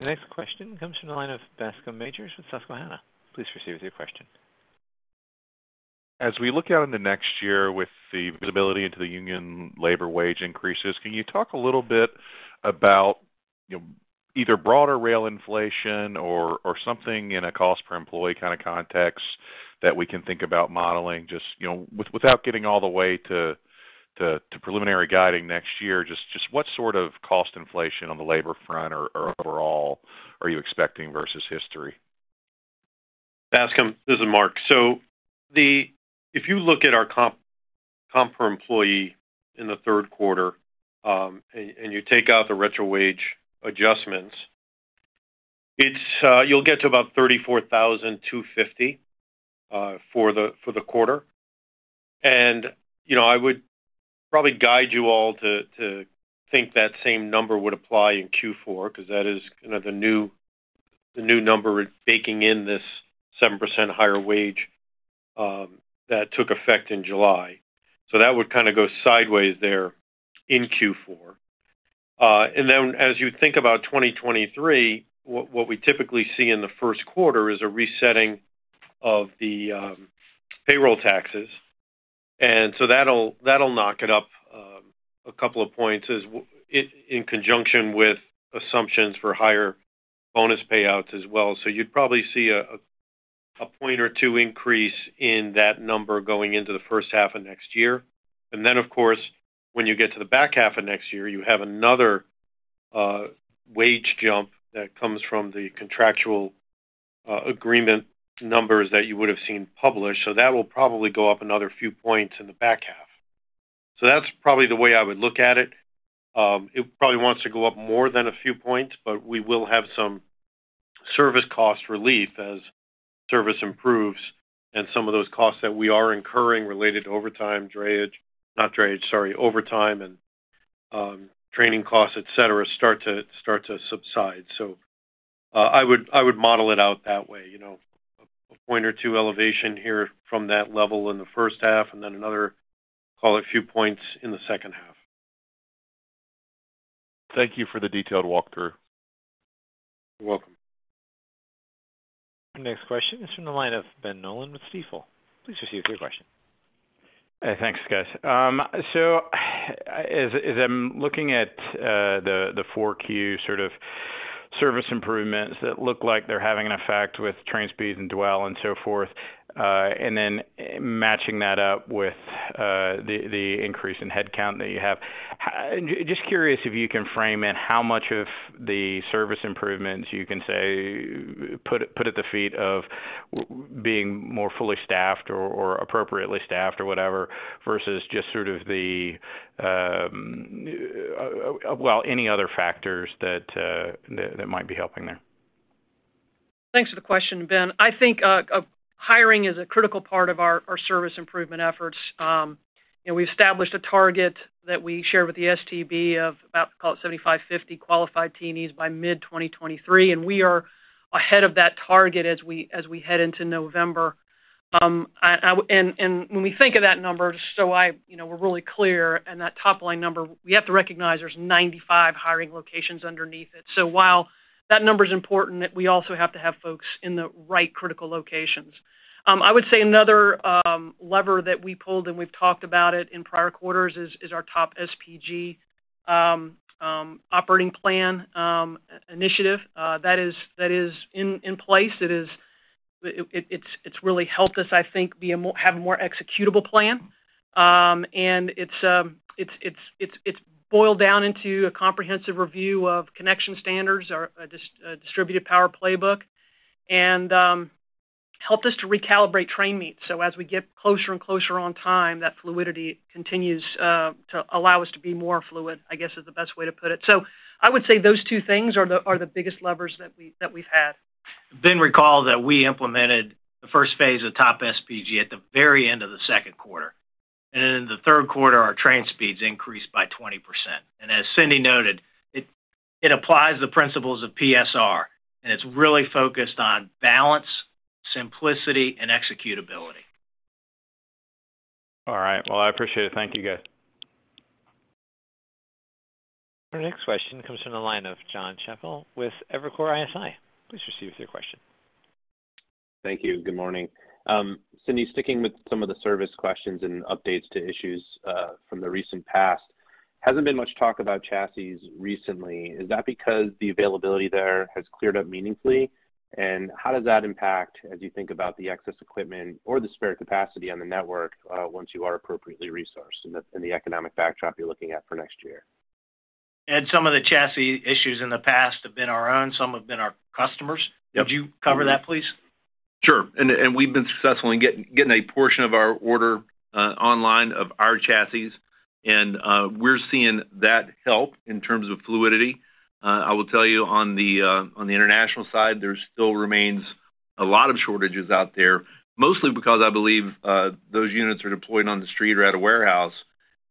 The next question comes from the line of Bascome Majors with Susquehanna. Please proceed with your question.
As we look out in the next year with the visibility into the union labor wage increases, can you talk a little bit about, you know, either broader rail inflation or something in a cost per employee kind of context that we can think about modeling just, you know, without getting all the way to preliminary guidance next year? Just what sort of cost inflation on the labor front or overall are you expecting versus history?
Bascom, this is Mark. If you look at our comp per employee in the third quarter, and you take out the retro wage adjustments, it's you'll get to about $34,250 for the quarter. You know, I would probably guide you all to think that same number would apply in Q4 because that is kind of the new number baking in this 7% higher wage that took effect in July. That would kind of go sideways there in Q4. As you think about 2023, what we typically see in the first quarter is a resetting of the payroll taxes. That'll knock it up a couple of points in conjunction with assumptions for higher bonus payouts as well. You'd probably see a point or two increase in that number going into the first half of next year. Then of course, when you get to the back half of next year, you have another wage jump that comes from the contractual agreement numbers that you would have seen published. That will probably go up another few points in the back half. That's probably the way I would look at it. It probably wants to go up more than a few points, but we will have some service cost relief as service improves and some of those costs that we are incurring related to overtime and training costs, et cetera, start to subside. I would model it out that way. You know, a point or two elevation here from that level in the first half and then another, call it, few points in the second half.
Thank you for the detailed walkthrough.
You're welcome.
Our next question is from the line of Ben Nolan with Stifel. Please proceed with your question.
Thanks, guys. As I'm looking at the 4Q sort of service improvements that look like they're having an effect with train speeds and dwell and so forth, and then matching that up with the increase in headcount that you have, just curious if you can frame it, how much of the service improvements you can say put at the feet of being more fully staffed or appropriately staffed or whatever, versus just sort of the well, any other factors that might be helping there.
Thanks for the question, Ben. I think hiring is a critical part of our service improvement efforts. You know, we established a target that we shared with the STB of about, call it 7,550 qualified T&E's by mid-2023, and we are ahead of that target as we head into November. When we think of that number, you know, we're really clear in that top-line number, we have to recognize there's 95 hiring locations underneath it. So while that number is important, we also have to have folks in the right critical locations. I would say another lever that we pulled, and we've talked about it in prior quarters, is our TOP|SPG operating plan initiative that is in place. It's really helped us, I think, have a more executable plan. It's boiled down into a comprehensive review of connection standards, our distributed power playbook, and helped us to recalibrate train meets. As we get closer and closer on time, that fluidity continues to allow us to be more fluid, I guess, is the best way to put it. I would say those two things are the biggest levers that we've had.
Ben, recall that we implemented the first phase of TOP|SPG at the very end of the second quarter. In the third quarter, our train speeds increased by 20%. As Cindy noted, it applies the principles of PSR, and it's really focused on balance, simplicity, and executability.
All right. Well, I appreciate it. Thank you, guys.
Our next question comes from the line of Jon Chappell with Evercore ISI. Please proceed with your question.
Thank you. Good morning. Cindy, sticking with some of the service questions and updates to issues, from the recent past Hasn't been much talk about chassis recently. Is that because the availability there has cleared up meaningfully? How does that impact as you think about the excess equipment or the spare capacity on the network, once you are appropriately resourced in the economic backdrop you're looking at for next year?
Ed, some of the chassis issues in the past have been our own, some have been our customers.
Yep.
Could you cover that, please?
Sure. We've been successful in getting a portion of our order online of our chassis. We're seeing that help in terms of fluidity. I will tell you on the international side, there still remains a lot of shortages out there, mostly because I believe those units are deployed on the street or at a warehouse.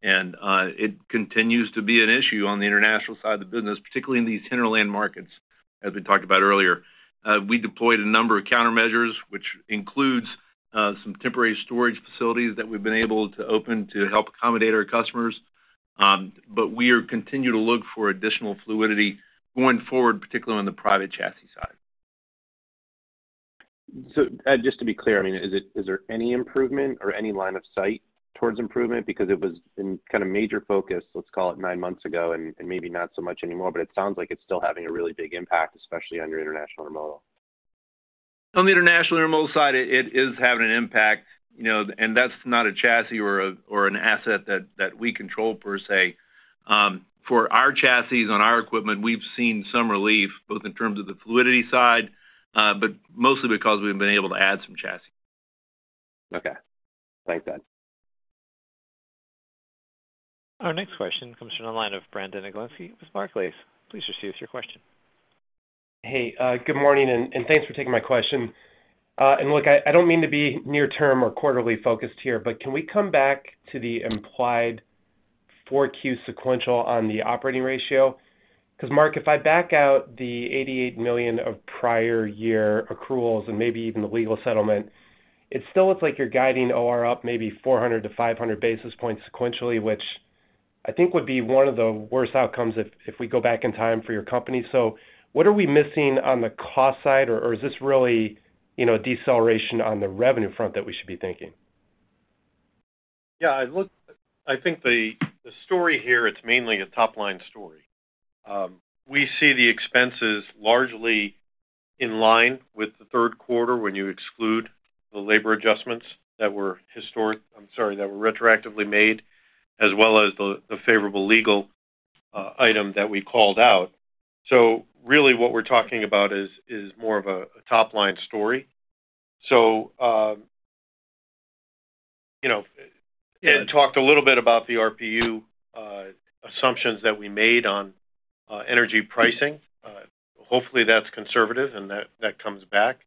It continues to be an issue on the international side of the business, particularly in these hinterland markets, as we talked about earlier. We deployed a number of countermeasures, which includes some temporary storage facilities that we've been able to open to help accommodate our customers. We continue to look for additional fluidity going forward, particularly on the private chassis side.
Ed, just to be clear, I mean, is there any improvement or any line of sight towards improvement? Because it was in kind of major focus, let's call it nine months ago, and maybe not so much anymore, but it sounds like it's still having a really big impact, especially on your international remote.
On the international remote side, it is having an impact, you know, and that's not a chassis or an asset that we control per se. For our chassis on our equipment, we've seen some relief, both in terms of the fluidity side, but mostly because we've been able to add some chassis.
Okay. Thanks, Ed.
Our next question comes from the line of Brandon Oglenski with Barclays. Please proceed with your question.
Hey, good morning, and thanks for taking my question. Look, I don't mean to be near-term or quarterly focused here, but can we come back to the implied 4Q sequential on the operating ratio? 'Cause Mark, if I back out the $88 million of prior year accruals and maybe even the legal settlement, it still looks like you're guiding OR up maybe 400 basis points-500 basis points sequentially, which I think would be one of the worst outcomes if we go back in time for your company. What are we missing on the cost side? Or is this really, you know, deceleration on the revenue front that we should be thinking?
Yeah, look, I think the story here, it's mainly a top-line story. We see the expenses largely in line with the third quarter when you exclude the labor adjustments that were retroactively made, as well as the favorable legal item that we called out. Really what we're talking about is more of a top-line story. You know, Ed talked a little bit about the RPU assumptions that we made on energy pricing. Hopefully, that's conservative and that comes back.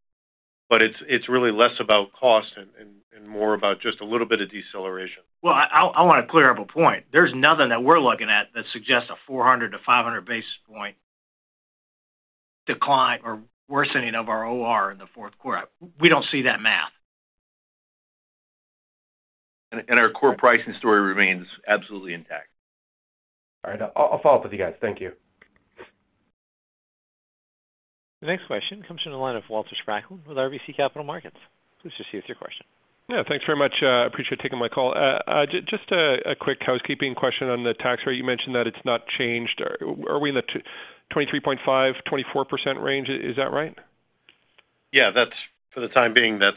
It's really less about cost and more about just a little bit of deceleration.
Well, I wanna clear up a point. There's nothing that we're looking at that suggests a 400 basis points-500 basis points decline or worsening of our OR in the fourth quarter. We don't see that math.
Our core pricing story remains absolutely intact.
All right. I'll follow up with you guys. Thank you.
The next question comes from the line of Walter Spracklin with RBC Capital Markets. Please proceed with your question.
Yeah. Thanks very much. Appreciate you taking my call. Just a quick housekeeping question on the tax rate. You mentioned that it's not changed. Are we in the 23.5%-24% range? Is that right?
Yeah, for the time being, that's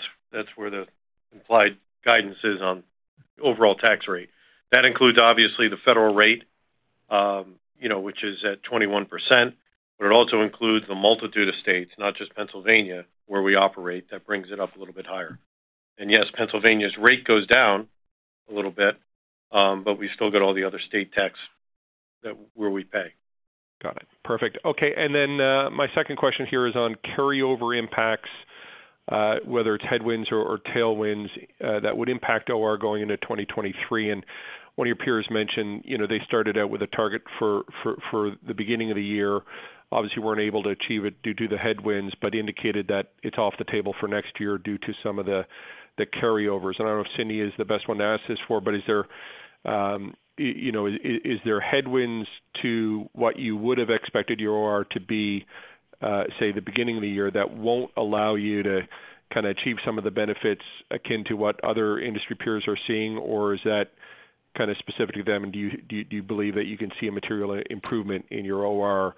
where the implied guidance is on overall tax rate. That includes, obviously, the federal rate, you know, which is at 21%. It also includes the multitude of states, not just Pennsylvania, where we operate, that brings it up a little bit higher. Yes, Pennsylvania's rate goes down a little bit, but we still get all the other state tax that we pay.
Got it. Perfect. Okay. My second question here is on carryover impacts, whether it's headwinds or tailwinds, that would impact OR going into 2023. One of your peers mentioned, you know, they started out with a target for the beginning of the year, obviously weren't able to achieve it due to the headwinds, but indicated that it's off the table for next year due to some of the carryovers. I don't know if Cindy is the best one to ask this for, but is there, you know, headwinds to what you would have expected your OR to be, say, the beginning of the year that won't allow you to kinda achieve some of the benefits akin to what other industry peers are seeing? Or is that kinda specific to them? Do you believe that you can see a material improvement in your OR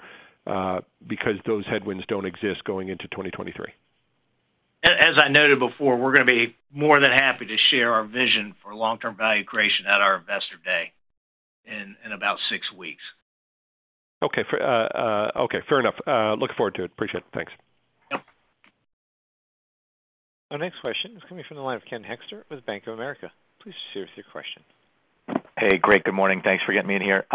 because those headwinds don't exist going into 2023?
As I noted before, we're gonna be more than happy to share our vision for long-term value creation at our Investor Day in about six weeks.
Okay. Fair enough. Look forward to it. Appreciate it. Thanks.
Yep.
Our next question is coming from the line of Ken Hoexter with Bank of America. Please proceed with your question.
Hey. Great. Good morning. Thanks for getting me in here.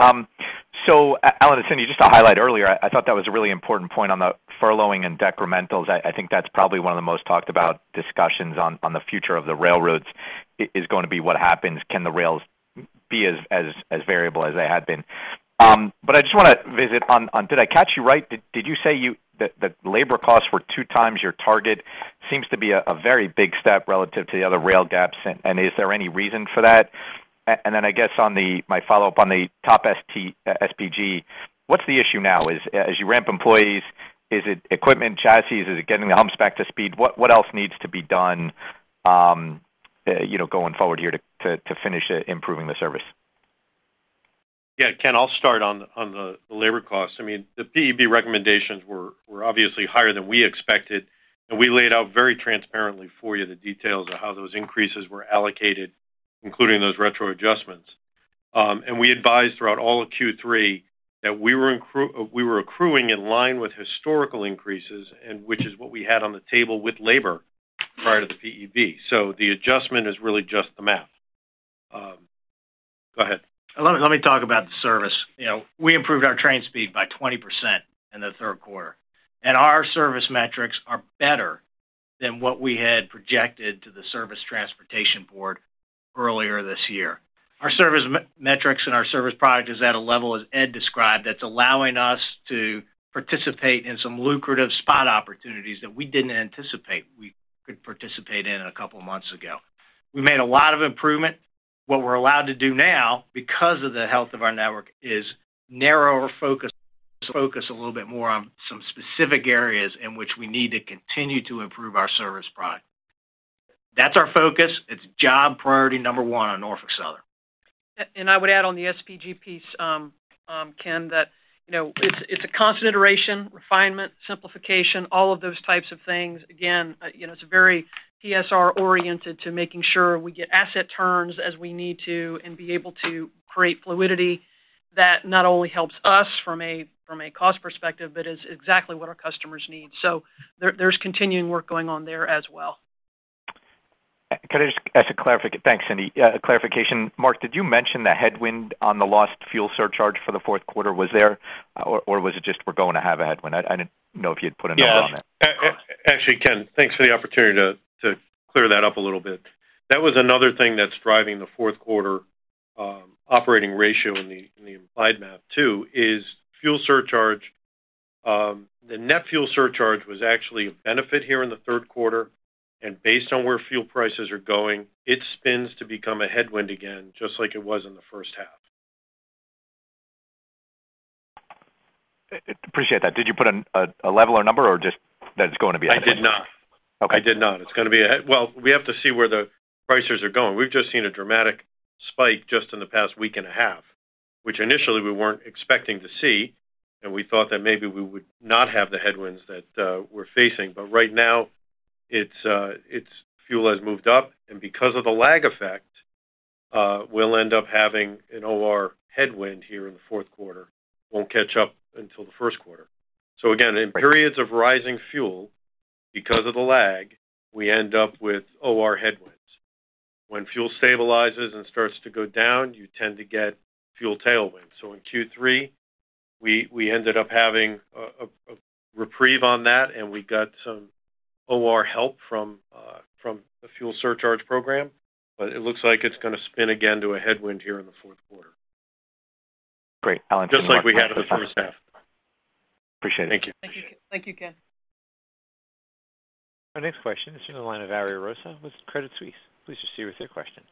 So Alan and Cindy, just to highlight earlier, I thought that was a really important point on the furloughing and decrementals. I think that's probably one of the most talked about discussions on the future of the railroads is gonna be what happens, can the rails be as variable as they had been? But I just wanna visit on did I catch you right? Did you say that labor costs were 2x your target? Seems to be a very big step relative to the other rail peers, and is there any reason for that? Then I guess on my follow-up on the TOP|SPG, what's the issue now? As you ramp employees, is it equipment chassis? Is it getting the humps back to speed? What else needs to be done? You know, going forward here to finish improving the service.
Yeah, Ken, I'll start on the labor costs. I mean, the PEB recommendations were obviously higher than we expected, and we laid out very transparently for you the details of how those increases were allocated, including those retro adjustments. We advised throughout all of Q3 that we were accruing in line with historical increases and which is what we had on the table with labor prior to the PEB. The adjustment is really just the math. Go ahead.
Let me talk about the service. You know, we improved our train speed by 20% in the third quarter, and our service metrics are better than what we had projected to the Surface Transportation Board earlier this year. Our service metrics and our service product is at a level, as Ed described, that's allowing us to participate in some lucrative spot opportunities that we didn't anticipate we could participate in a couple of months ago. We made a lot of improvement. What we're allowed to do now because of the health of our network is narrow our focus a little bit more on some specific areas in which we need to continue to improve our service product. That's our focus. It's job priority number one on Norfolk Southern.
I would add on the SPG piece, Ken, that, you know, it's a constant iteration, refinement, simplification, all of those types of things. Again, you know, it's very PSR-oriented to making sure we get asset turns as we need to and be able to create fluidity that not only helps us from a cost perspective, but is exactly what our customers need. There's continuing work going on there as well.
Thanks, Cindy. A clarification. Mark, did you mention the headwind on the lost fuel surcharge for the fourth quarter was there, or was it just we're going to have a headwind? I didn't know if you'd put a number on that.
Yeah. Actually, Ken, thanks for the opportunity to clear that up a little bit. That was another thing that's driving the fourth quarter operating ratio in the implied math too, is fuel surcharge. The net fuel surcharge was actually a benefit here in the third quarter, and based on where fuel prices are going, it spins to become a headwind again, just like it was in the first half.
Appreciate that. Did you put a level or number or just that it's going to be a headwind?
I did not.
Okay.
I did not. Well, we have to see where the prices are going. We've just seen a dramatic spike just in the past week and a half, which initially we weren't expecting to see, and we thought that maybe we would not have the headwinds that we're facing. But right now, fuel has moved up, and because of the lag effect, we'll end up having an OR headwind here in the fourth quarter. Won't catch up until the first quarter. Again, in periods of rising fuel, because of the lag, we end up with OR headwinds. When fuel stabilizes and starts to go down, you tend to get fuel tailwinds. In Q3, we ended up having a reprieve on that, and we got some OR help from the fuel surcharge program. It looks like it's gonna spin again to a headwind here in the fourth quarter.
Great.
Just like we had in the first half.
Appreciate it. Thank you.
Thank you. Thank you, Ken.
Our next question is in the line of Ari Rosa with Credit Suisse. Please proceed with your question.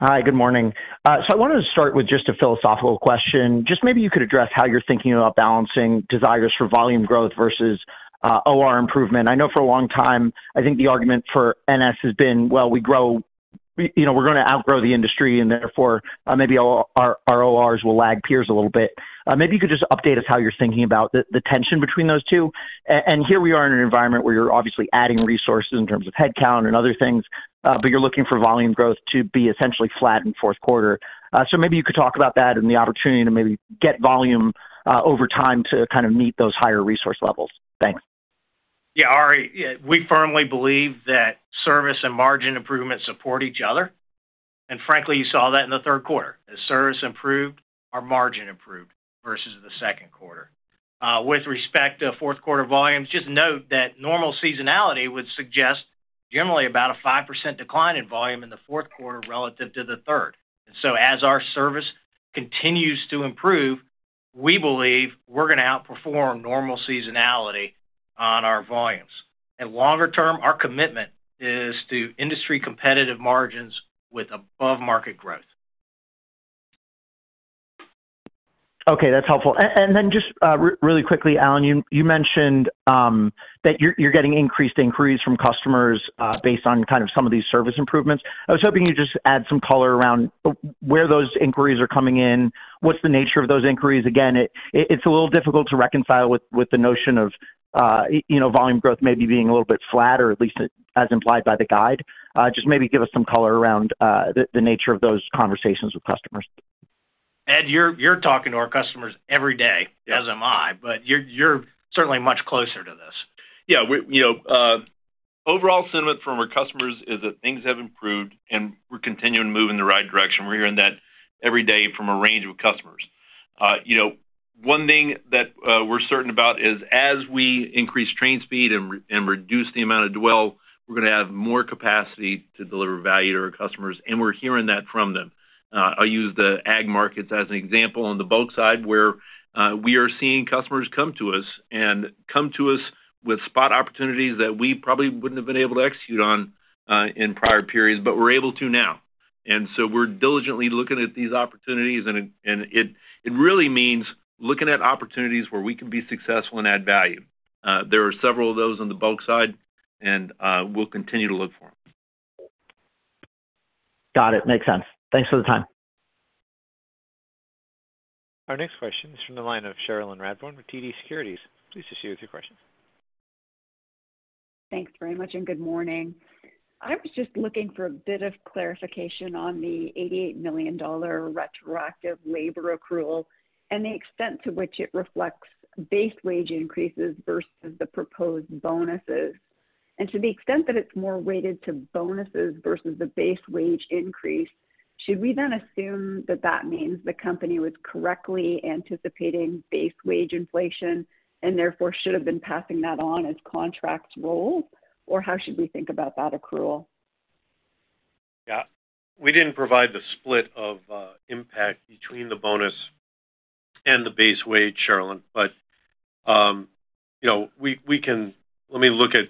Hi, good morning. So I wanted to start with just a philosophical question. Just maybe you could address how you're thinking about balancing desires for volume growth versus OR improvement. I know for a long time, I think the argument for NS has been, well, we grow, you know, we're gonna outgrow the industry and therefore maybe our ORs will lag peers a little bit. Maybe you could just update us how you're thinking about the tension between those two. And here we are in an environment where you're obviously adding resources in terms of headcount and other things, but you're looking for volume growth to be essentially flat in fourth quarter. So maybe you could talk about that and the opportunity to maybe get volume over time to kind of meet those higher resource levels. Thanks.
Yeah, Ari, we firmly believe that service and margin improvements support each other. Frankly, you saw that in the third quarter. As service improved, our margin improved versus the second quarter. With respect to fourth quarter volumes, just note that normal seasonality would suggest generally about a 5% decline in volume in the fourth quarter relative to the third. As our service continues to improve, we believe we're gonna outperform normal seasonality on our volumes. Longer term, our commitment is to industry competitive margins with above-market growth.
Okay, that's helpful. Just really quickly, Alan, you mentioned that you're getting increased inquiries from customers based on kind of some of these service improvements. I was hoping you could just add some color around where those inquiries are coming in. What's the nature of those inquiries? Again, it's a little difficult to reconcile with the notion of, you know, volume growth maybe being a little bit flat or at least as implied by the guide. Just maybe give us some color around the nature of those conversations with customers.
Ed, you're talking to our customers every day, as am I, but you're certainly much closer to this.
Yeah. You know, overall sentiment from our customers is that things have improved, and we're continuing to move in the right direction. We're hearing that every day from a range of customers. You know, one thing that we're certain about is as we increase train speed and reduce the amount of dwell, we're gonna have more capacity to deliver value to our customers, and we're hearing that from them. I'll use the ag markets as an example on the bulk side, where we are seeing customers come to us with spot opportunities that we probably wouldn't have been able to execute on, in prior periods, but we're able to now. We're diligently looking at these opportunities, and it really means looking at opportunities where we can be successful and add value. There are several of those on the bulk side, and we'll continue to look for them.
Got it. Makes sense. Thanks for the time.
Our next question is from the line of Cherilyn Radbourne with TD Securities. Please proceed with your question.
Thanks very much, and good morning. I was just looking for a bit of clarification on the $88 million retroactive labor accrual and the extent to which it reflects base wage increases versus the proposed bonuses. To the extent that it's more weighted to bonuses versus the base wage increase, should we then assume that that means the company was correctly anticipating base wage inflation and therefore should have been passing that on as contracts roll? Or how should we think about that accrual?
Yeah. We didn't provide the split of impact between the bonus and the base wage, Cherilyn. You know, we can let me look at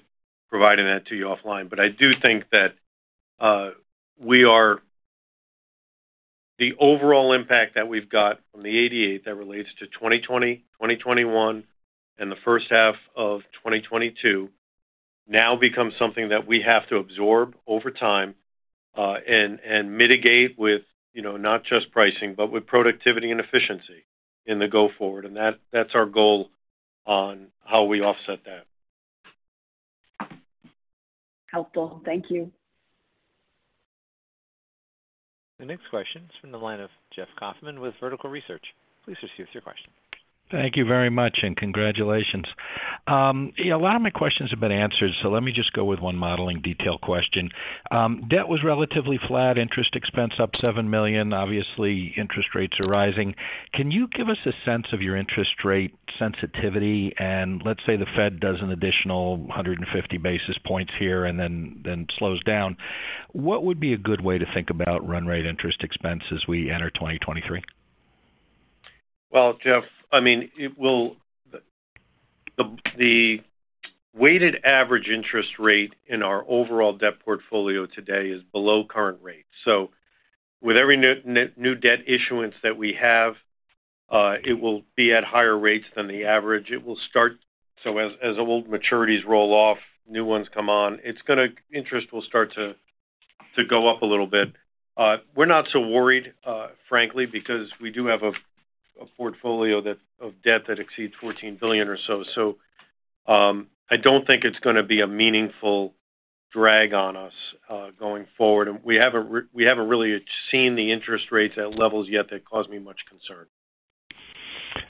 providing that to you offline. I do think that we are. The overall impact that we've got from the 88 that relates to 2020, 2021, and the first half of 2022 now becomes something that we have to absorb over time and mitigate with, you know, not just pricing, but with productivity and efficiency going forward. That's our goal on how we offset that.
Helpful. Thank you.
The next question is from the line of Jeff Kauffman with Vertical Research. Please proceed with your question.
Thank you very much, and congratulations. Yeah, a lot of my questions have been answered, so let me just go with one modeling detail question. Debt was relatively flat. Interest expense up $7 million. Obviously, interest rates are rising. Can you give us a sense of your interest rate sensitivity? Let's say the Fed does an additional 150 basis points here and then slows down. What would be a good way to think about run rate interest expense as we enter 2023?
Well, Jeff, I mean, the weighted average interest rate in our overall debt portfolio today is below current rates. With every new debt issuance that we have, it will be at higher rates than the average. As old maturities roll off, new ones come on, interest will start to go up a little bit. We're not so worried, frankly, because we do have a portfolio of debt that exceeds $14 billion or so. I don't think it's gonna be a meaningful drag on us going forward. We haven't really seen the interest rates at levels yet that cause me much concern.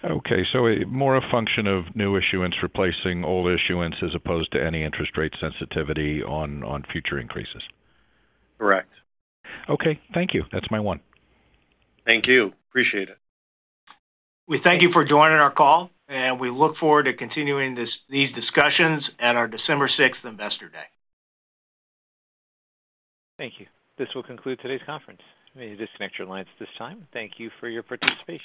Okay. More a function of new issuance replacing old issuance as opposed to any interest rate sensitivity on future increases.
Correct.
Okay. Thank you. That's my one.
Thank you. Appreciate it.
We thank you for joining our call, and we look forward to continuing this, these discussions at our December 6th, 2022 Investor Day.
Thank you. This will conclude today's conference. You may disconnect your lines at this time. Thank you for your participation.